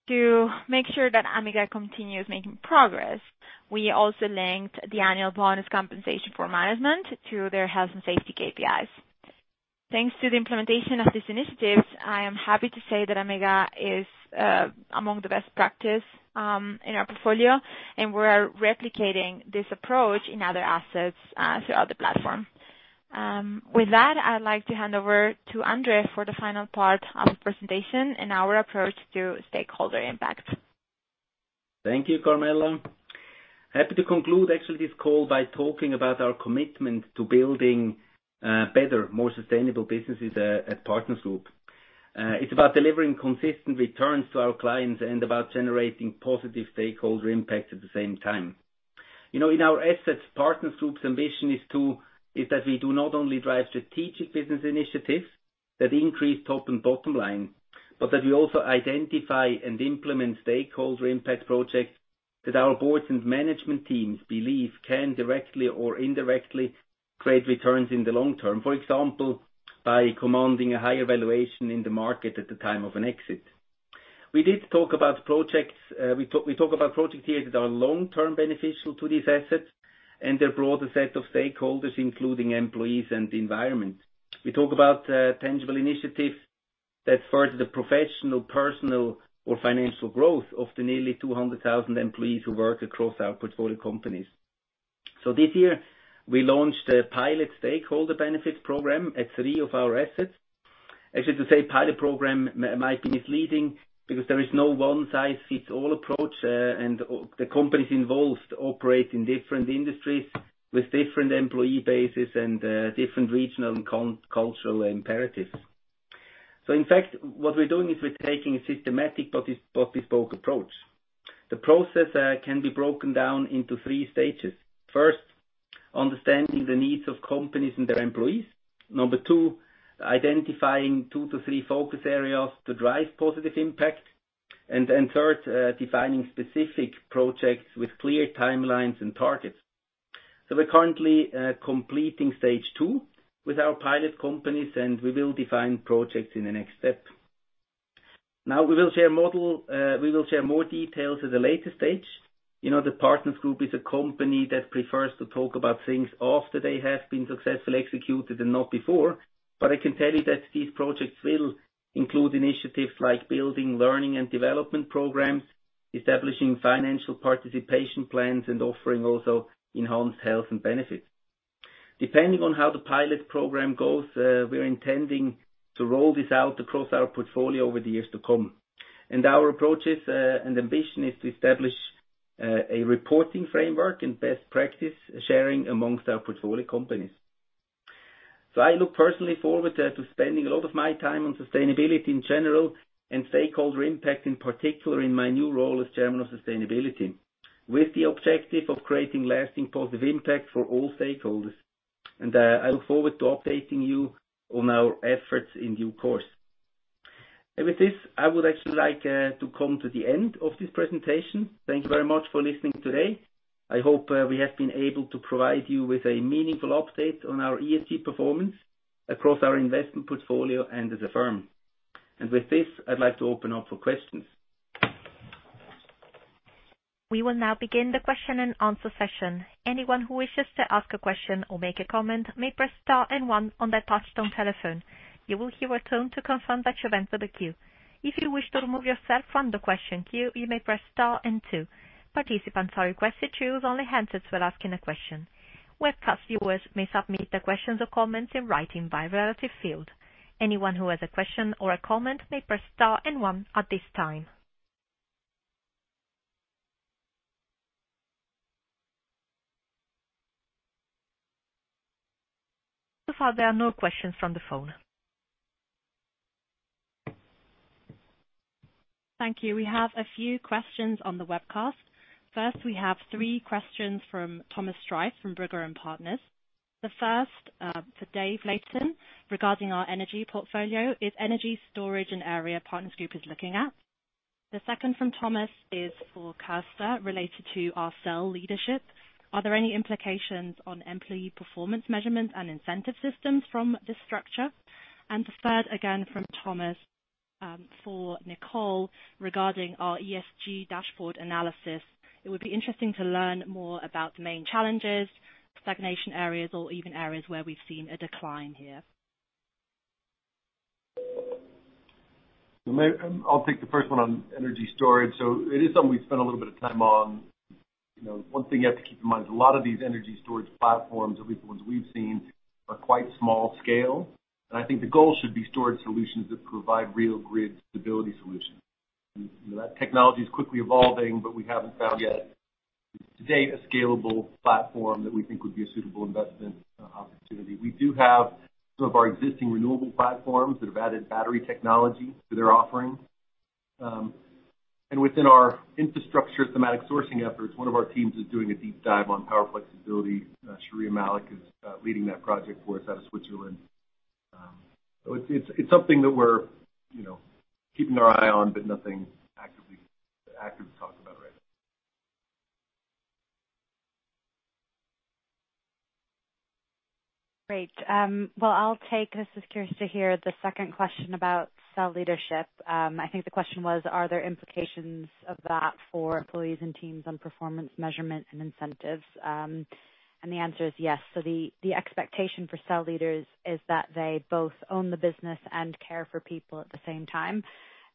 To make sure that AMMEGA continues making progress, we also linked the annual bonus compensation for management to their health and safety KPIs. Thanks to the implementation of these initiatives, I am happy to say that AMMEGA is among the best practice in our portfolio, and we are replicating this approach in other assets throughout the platform. With that, I'd like to hand over to André for the final part of the presentation and our approach to stakeholder impact. Thank you, Carmela. Happy to conclude, actually, this call by talking about our commitment to building better, more sustainable businesses at Partners Group. It's about delivering consistent returns to our clients and about generating positive stakeholder impact at the same time. In our assets, Partners Group's ambition is that we do not only drive strategic business initiatives that increase top and bottom line, but that we also identify and implement stakeholder impact projects that our boards and management teams believe can directly or indirectly create returns in the long term. For example, by commanding a higher valuation in the market at the time of an exit. We talk about projects here that are long-term beneficial to these assets and their broader set of stakeholders, including employees and the environment. We talk about tangible initiatives that further the professional, personal or financial growth of the nearly 200,000 employees who work across our portfolio companies. This year, we launched a pilot stakeholder benefits program at three of our assets. Actually, to say pilot program might be misleading because there is no one-size-fits-all approach, and the companies involved operate in different industries with different employee bases and different regional and cultural imperatives. In fact, what we're doing is we're taking a systematic but bespoke approach. The process can be broken down into three stages. First, understanding the needs of companies and their employees. Number two, identifying two to three focus areas to drive positive impact. Then third, defining specific projects with clear timelines and targets. We're currently completing stage two with our pilot companies, and we will define projects in the next step. We will share more details at a later stage. The Partners Group is a company that prefers to talk about things after they have been successfully executed and not before. I can tell you that these projects will include initiatives like building learning and development programs, establishing financial participation plans, and offering also enhanced health and benefits. Depending on how the pilot program goes, we're intending to roll this out across our portfolio over the years to come. Our approaches and ambition is to establish a reporting framework and best practice sharing amongst our portfolio companies. I look personally forward to spending a lot of my time on sustainability in general and stakeholder impact in particular in my new role as chairman of sustainability, with the objective of creating lasting positive impact for all stakeholders. I look forward to updating you on our efforts in due course. With this, I would actually like to come to the end of this presentation. Thank you very much for listening today. I hope we have been able to provide you with a meaningful update on our ESG performance across our investment portfolio and as a firm. With this, I'd like to open up for questions. We will now begin the question and answer session. Anyone who wishes to ask a question or make a comment may press star and one on their touch-tone telephone. You will hear a tone to confirm that you've entered the queue. If you wish to remove yourself from the question queue, you may press star and two. Participants are requested to use only handsets when asking a question. Webcast viewers may submit their questions or comments in writing via the relevant field. Anyone who has a question or a comment may press star and one at this time. So far, there are no questions from the phone. Thank you. We have a few questions on the webcast. First, we have three questions from Thomas Streit from Brügger & Partner. The first, for Dave Layton regarding our energy portfolio. Is energy storage an area Partners Group is looking at? The second from Thomas is for Kirsta, related to our Cell Leadership. Are there any implications on employee performance measurement and incentive systems from this structure? The third, again from Thomas for Nicole regarding our ESG dashboard analysis. It would be interesting to learn more about the main challenges, stagnation areas, or even areas where we've seen a decline here. I'll take the first one on energy storage. It is something we've spent a little bit of time on. One thing you have to keep in mind is a lot of these energy storage platforms, at least the ones we've seen, are quite small scale. I think the goal should be storage solutions that provide real grid stability solutions. That technology is quickly evolving, but we haven't found yet to date a scalable platform that we think would be a suitable investment opportunity. We do have some of our existing renewable platforms that have added battery technology to their offering. Within our infrastructure thematic sourcing efforts, one of our teams is doing a deep dive on power flexibility. Shireen Malik is leading that project for us out of Switzerland. It's something that we're keeping our eye on, but nothing actively talking about right now. Great. I'll take, this is Kirsta here, the second question about Cell Leadership. I think the question was, are there implications of that for employees and teams on performance measurement and incentives? The answer is yes. The expectation for Cell Leaders is that they both own the business and care for people at the same time.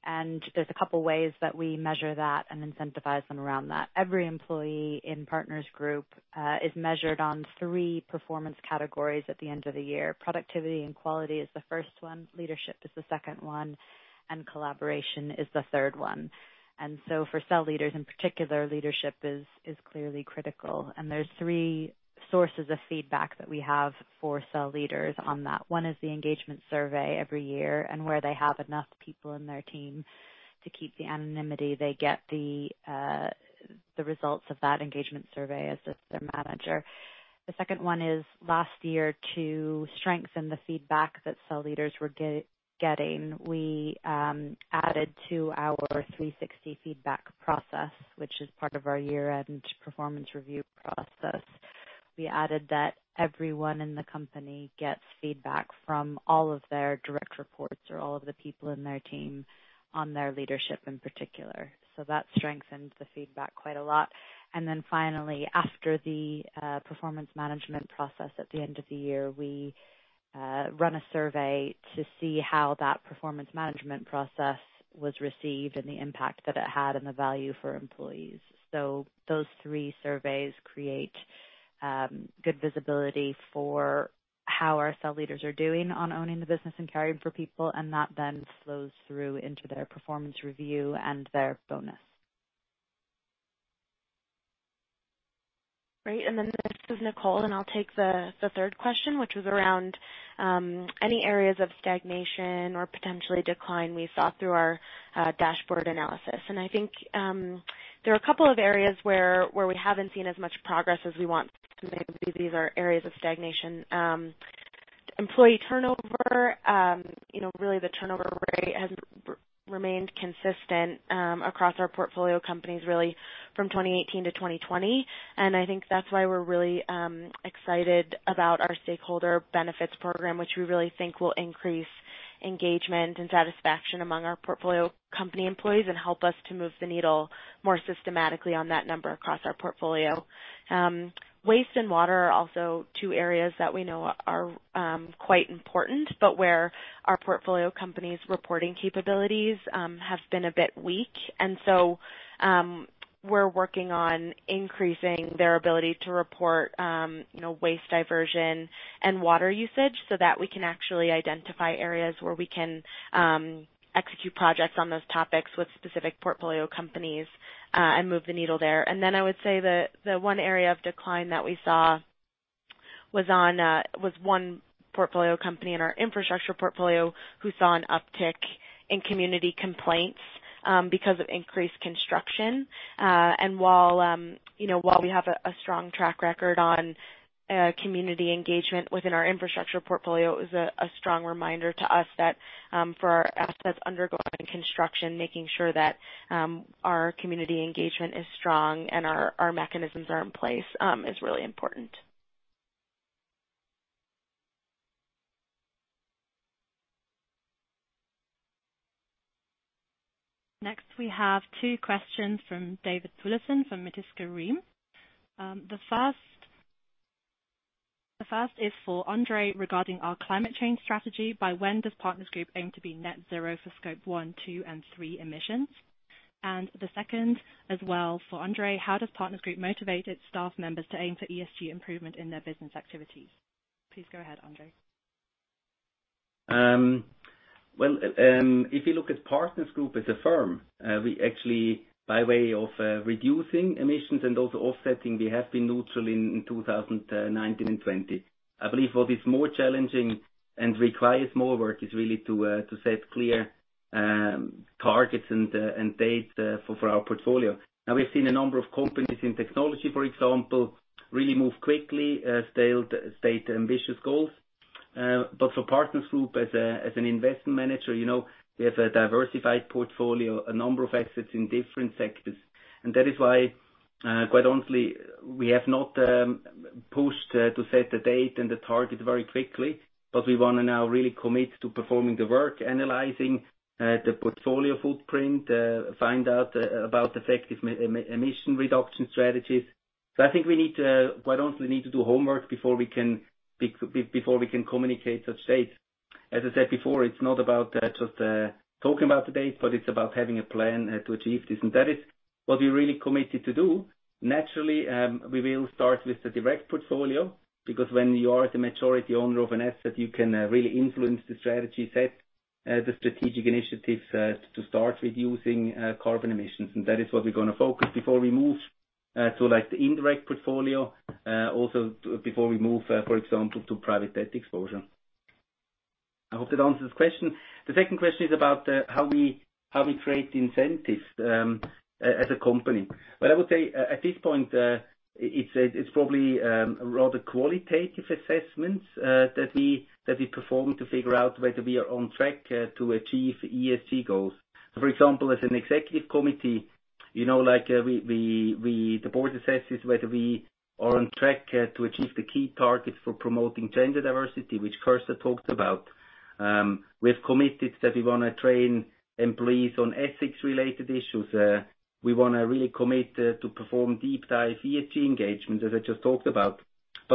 There's a couple ways that we measure that and incentivize them around that. Every employee in Partners Group is measured on three performance categories at the end of the year. Productivity and quality is the first one, leadership is the second one, and collaboration is the third one. For Cell Leaders in particular, leadership is clearly critical. There's three sources of feedback that we have for Cell Leaders on that. One is the engagement survey every year, and where they have enough people in their team to keep the anonymity, they get the results of that engagement survey as does their manager. The second one is last year to strengthen the feedback that Cell Leaders were getting, we added to our 360 feedback process, which is part of our year-end performance review process. We added that everyone in the company gets feedback from all of their direct reports or all of the people in their team on their leadership in particular. That strengthens the feedback quite a lot. Finally, after the performance management process at the end of the year, we run a survey to see how that performance management process was received and the impact that it had and the value for employees. Those three surveys create good visibility for how our cell leaders are doing on owning the business and caring for people, and that then flows through into their performance review and their bonus. Great. Then this is Nicole, and I'll take the third question, which was around any areas of stagnation or potentially decline we saw through our dashboard analysis. I think there are a couple of areas where we haven't seen as much progress as we want to, maybe these are areas of stagnation. Employee turnover. Really the turnover rate has remained consistent across our portfolio companies really from 2018- 2020. I think that's why we're really excited about our stakeholder benefits program, which we really think will increase engagement and satisfaction among our portfolio company employees and help us to move the needle more systematically on that number across our portfolio. Waste and water are also two areas that we know are quite important, but where our portfolio companies' reporting capabilities have been a bit weak. We're working on increasing their ability to report waste diversion and water usage so that we can actually identify areas where we can execute projects on those topics with specific portfolio companies and move the needle there. I would say the one area of decline that we saw was one portfolio company in our infrastructure portfolio who saw an uptick in community complaints because of increased construction. While we have a strong track record on community engagement within our infrastructure portfolio, it was a strong reminder to us that for our assets undergoing construction, making sure that our community engagement is strong and our mechanisms are in place is really important. Next, we have two questions from David Layton from Medisca Reem. The first is for André regarding our climate change strategy. By when does Partners Group aim to be net zero for Scope 1, 2, and 3 emissions? The second as well for André. How does Partners Group motivate its staff members to aim for ESG improvement in their business activities? Please go ahead, André. Well, if you look at Partners Group as a firm, we actually by way of reducing emissions and also offsetting, we have been neutral in 2019 and 2020. I believe what is more challenging and requires more work is really to set clear targets and dates for our portfolio. We've seen a number of companies in technology, for example, really move quickly, state ambitious goals. For Partners Group as an investment manager, we have a diversified portfolio, a number of assets in different sectors. That is why, quite honestly, we have not pushed to set the date and the target very quickly, but we want to now really commit to performing the work, analyzing the portfolio footprint, find out about effective emission reduction strategies. I think we need to quite honestly do homework before we can communicate such dates. As I said before, it's not about just talking about the date, but it's about having a plan to achieve this. That is what we really committed to do. Naturally, we will start with the direct portfolio, because when you are the majority owner of an asset, you can really influence the strategy set, the strategic initiatives to start reducing carbon emissions. That is what we're going to focus before we move to the indirect portfolio, also before we move, for example, to private debt exposure. I hope that answers the question. The second question is about how we create incentives as a company. Well, I would say at this point, it's probably a rather qualitative assessment that we perform to figure out whether we are on track to achieve ESG goals. For example, as an Executive Committee, the board assesses whether we are on track to achieve the key targets for promoting gender diversity, which Kirsta talked about. We have committed that we want to train employees on ethics-related issues. We want to really commit to perform deep dive ESG engagement, as I just talked about.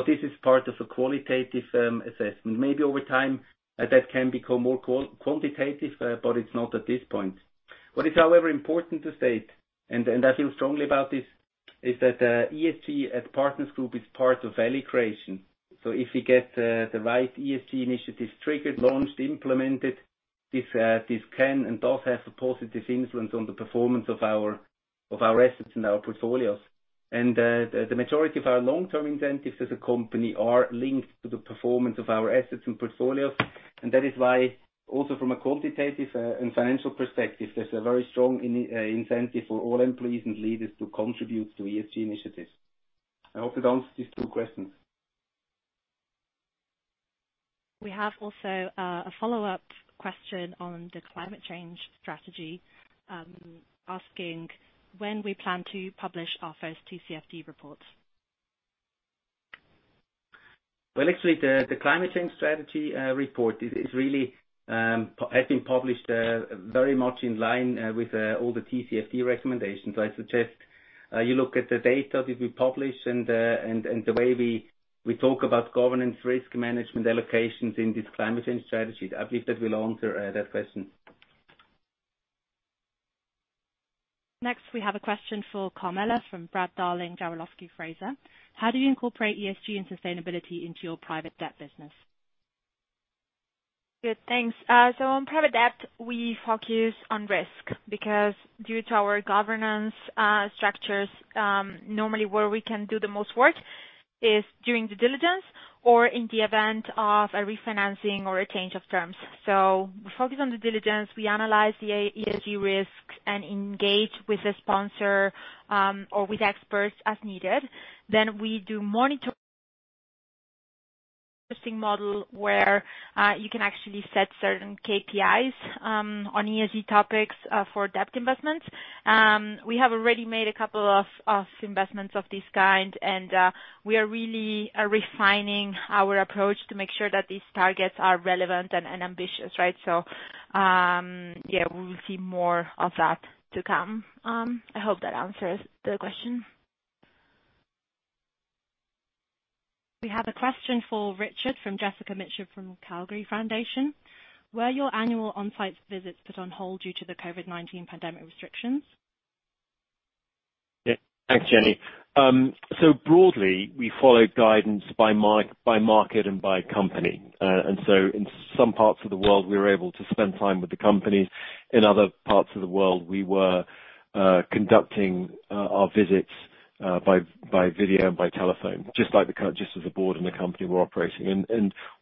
This is part of a qualitative assessment. Maybe over time that can become more quantitative, but it's not at this point. What is however important to state, and I feel strongly about this, is that ESG at Partners Group is part of value creation. If we get the right ESG initiatives triggered, launched, implemented, this can and does have a positive influence on the performance of our assets and our portfolios. The majority of our long-term incentives as a company are linked to the performance of our assets and portfolios. That is why also from a quantitative and financial perspective, there's a very strong incentive for all employees and leaders to contribute to ESG initiatives. I hope that answers these two questions. We have also a follow-up question on the climate change strategy, asking when we plan to publish our first TCFD report. Well, actually, the climate change strategy report has been published very much in line with all the TCFD recommendations. I suggest you look at the data that we publish and the way we talk about governance, risk management allocations in this climate change strategies. I believe that will answer that question. Next, we have a question for Carmela from Brad Darling, Jarislowsky Fraser. How do you incorporate ESG and sustainability into your private debt business? Good, thanks. On private debt, we focus on risk because due to our governance structures, normally where we can do the most work is during due diligence or in the event of a refinancing or a change of terms. We focus on due diligence. We analyze the ESG risks and engage with the sponsor or with experts as needed. We do monitor- interesting model where you can actually set certain KPIs on ESG topics for debt investments. We have already made a couple of investments of this kind, and we are really refining our approach to make sure that these targets are relevant and ambitious. Yeah, we will see more of that to come. I hope that answers the question. We have a question for Richard from Jessica Mitchell from Calgary Foundation. Were your annual on-site visits put on hold due to the COVID-19 pandemic restrictions? Yeah. Thanks, Jenny. Broadly, we followed guidance by market and by company. In some parts of the world, we were able to spend time with the companies. In other parts of the world, we were conducting our visits by video and by telephone, just as the board and the company were operating.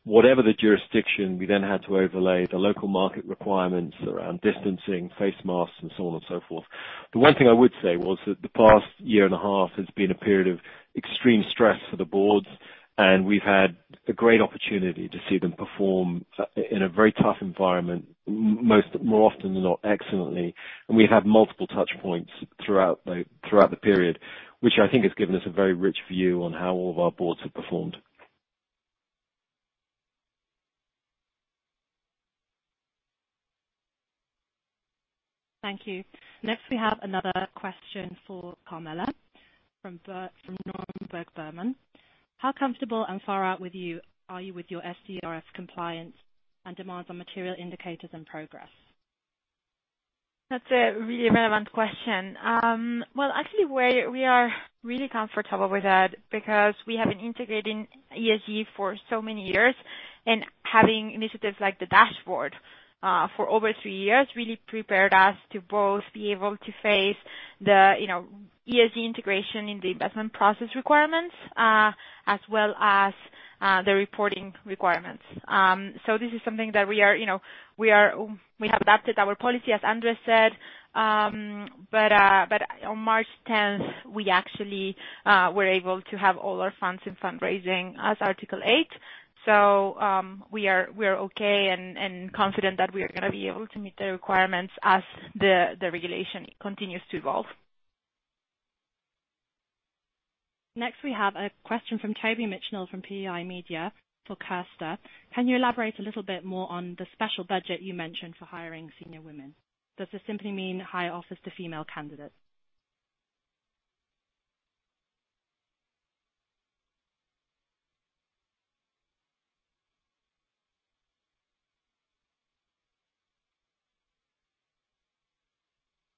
Whatever the jurisdiction, we then had to overlay the local market requirements around distancing, face masks, and so on and so forth. The one thing I would say was that the past year and a half has been a period of extreme stress for the boards, and we've had a great opportunity to see them perform in a very tough environment, more often than not excellently. We've had multiple touchpoints throughout the period, which I think has given us a very rich view on how all of our boards have performed. Thank you. Next, we have another question for Carmela from Neuberger Berman. How comfortable and far out are you with your SFDR compliance and demands on material indicators and progress? That's a really relevant question. Well, actually, we are really comfortable with that because we have been integrating ESG for so many years, and having initiatives like the dashboard for over three years really prepared us to both be able to face the ESG integration in the investment process requirements, as well as the reporting requirements. This is something that we have adapted our policy, as André said. On March 10th, we actually were able to have all our funds in fundraising as Article 8. We are okay and confident that we are going to be able to meet the requirements as the regulation continues to evolve. Next, we have a question from Toby Mitchenall from PEI Media for Kirsta. Can you elaborate a little bit more on the special budget you mentioned for hiring senior women? Does this simply mean higher offers to female candidates?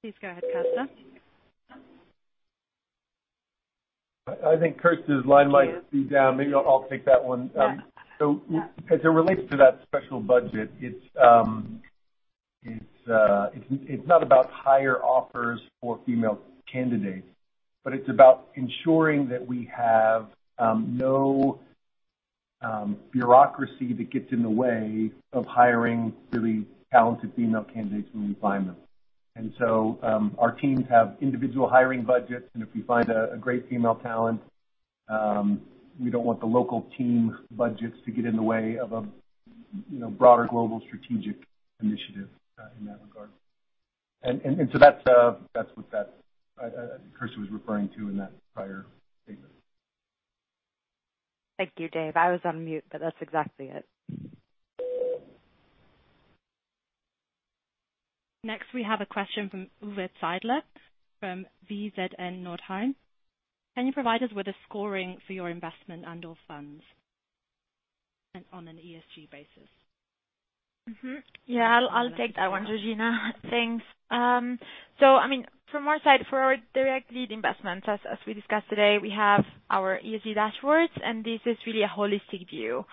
Please go ahead, Kirsta. I think Kirsta's line might be down. Maybe I'll take that one. Yeah. As it relates to that special budget, it's not about higher offers for female candidates. It's about ensuring that we have no bureaucracy that gets in the way of hiring really talented female candidates when we find them. Our teams have individual hiring budgets, and if we find a great female talent, we don't want the local team budgets to get in the way of a broader global strategic initiative in that regard. That's what Kirsta was referring to in that prior statement. Thank you, Dave. I was on mute, but that's exactly it. Next, we have a question from Uwe Zeidler from VZN Nordrhein. Can you provide us with a scoring for your investment and/or funds and on an ESG basis? Yeah, I'll take that one, Georgina. Thanks. I mean, from our side, for our direct lead investments, as we discussed today, we have our ESG dashboards. This is really a holistic view.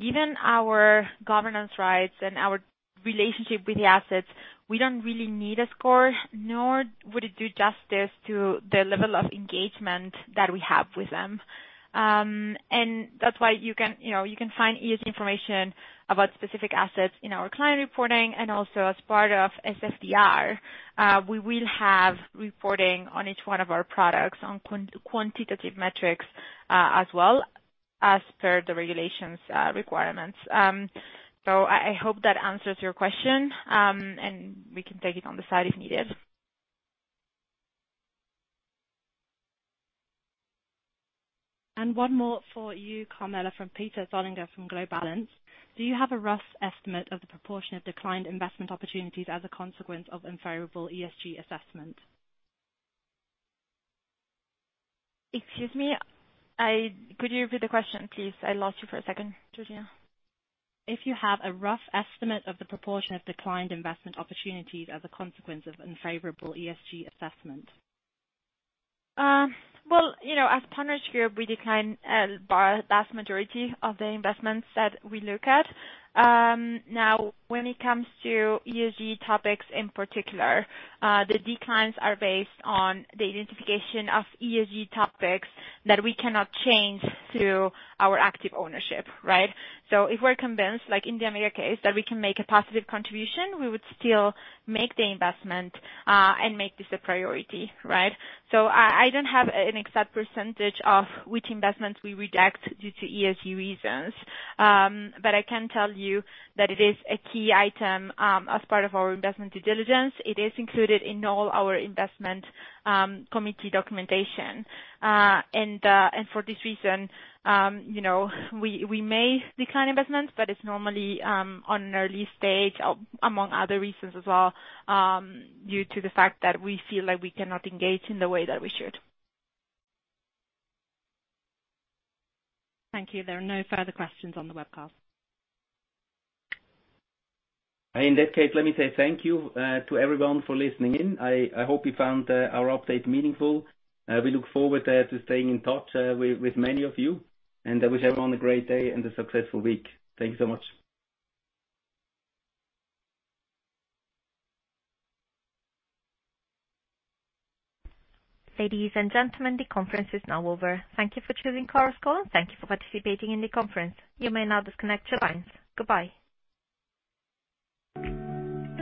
Given our governance rights and our relationship with the assets, we don't really need a score, nor would it do justice to the level of engagement that we have with them. That's why you can find ESG information about specific assets in our client reporting and also as part of SFDR. We will have reporting on each one of our products on quantitative metrics as well as per the regulations requirements. I hope that answers your question. We can take it on the side if needed. One more for you, Carmela, from Peter Zollinger from Globalance. Do you have a rough estimate of the proportion of declined investment opportunities as a consequence of unfavorable ESG assessment? Excuse me. Could you repeat the question, please? I lost you for a second, Georgina. If you have a rough estimate of the proportion of declined investment opportunities as a consequence of unfavorable ESG assessment? As Partners Group, we decline vast majority of the investments that we look at. When it comes to ESG topics, in particular, the declines are based on the identification of ESG topics that we cannot change through our active ownership, right? If we're convinced, like in the AMMEGA case, that we can make a positive contribution, we would still make the investment and make this a priority, right? I don't have an exact percentage of which investments we reject due to ESG reasons. I can tell you that it is a key item as part of our investment due diligence. It is included in all our investment committee documentation. For this reason, we may decline investments, but it's normally on an early stage, among other reasons as well, due to the fact that we feel like we cannot engage in the way that we should. Thank you. There are no further questions on the webcast. In that case, let me say thank you to everyone for listening in. I hope you found our update meaningful. We look forward to staying in touch with many of you, and I wish everyone a great day and a successful week. Thank you so much. Ladies and gentlemen, the conference is now over. Thank you for choosing Chorus Call, and thank you for participating in the conference. You may now disconnect your lines. Goodbye.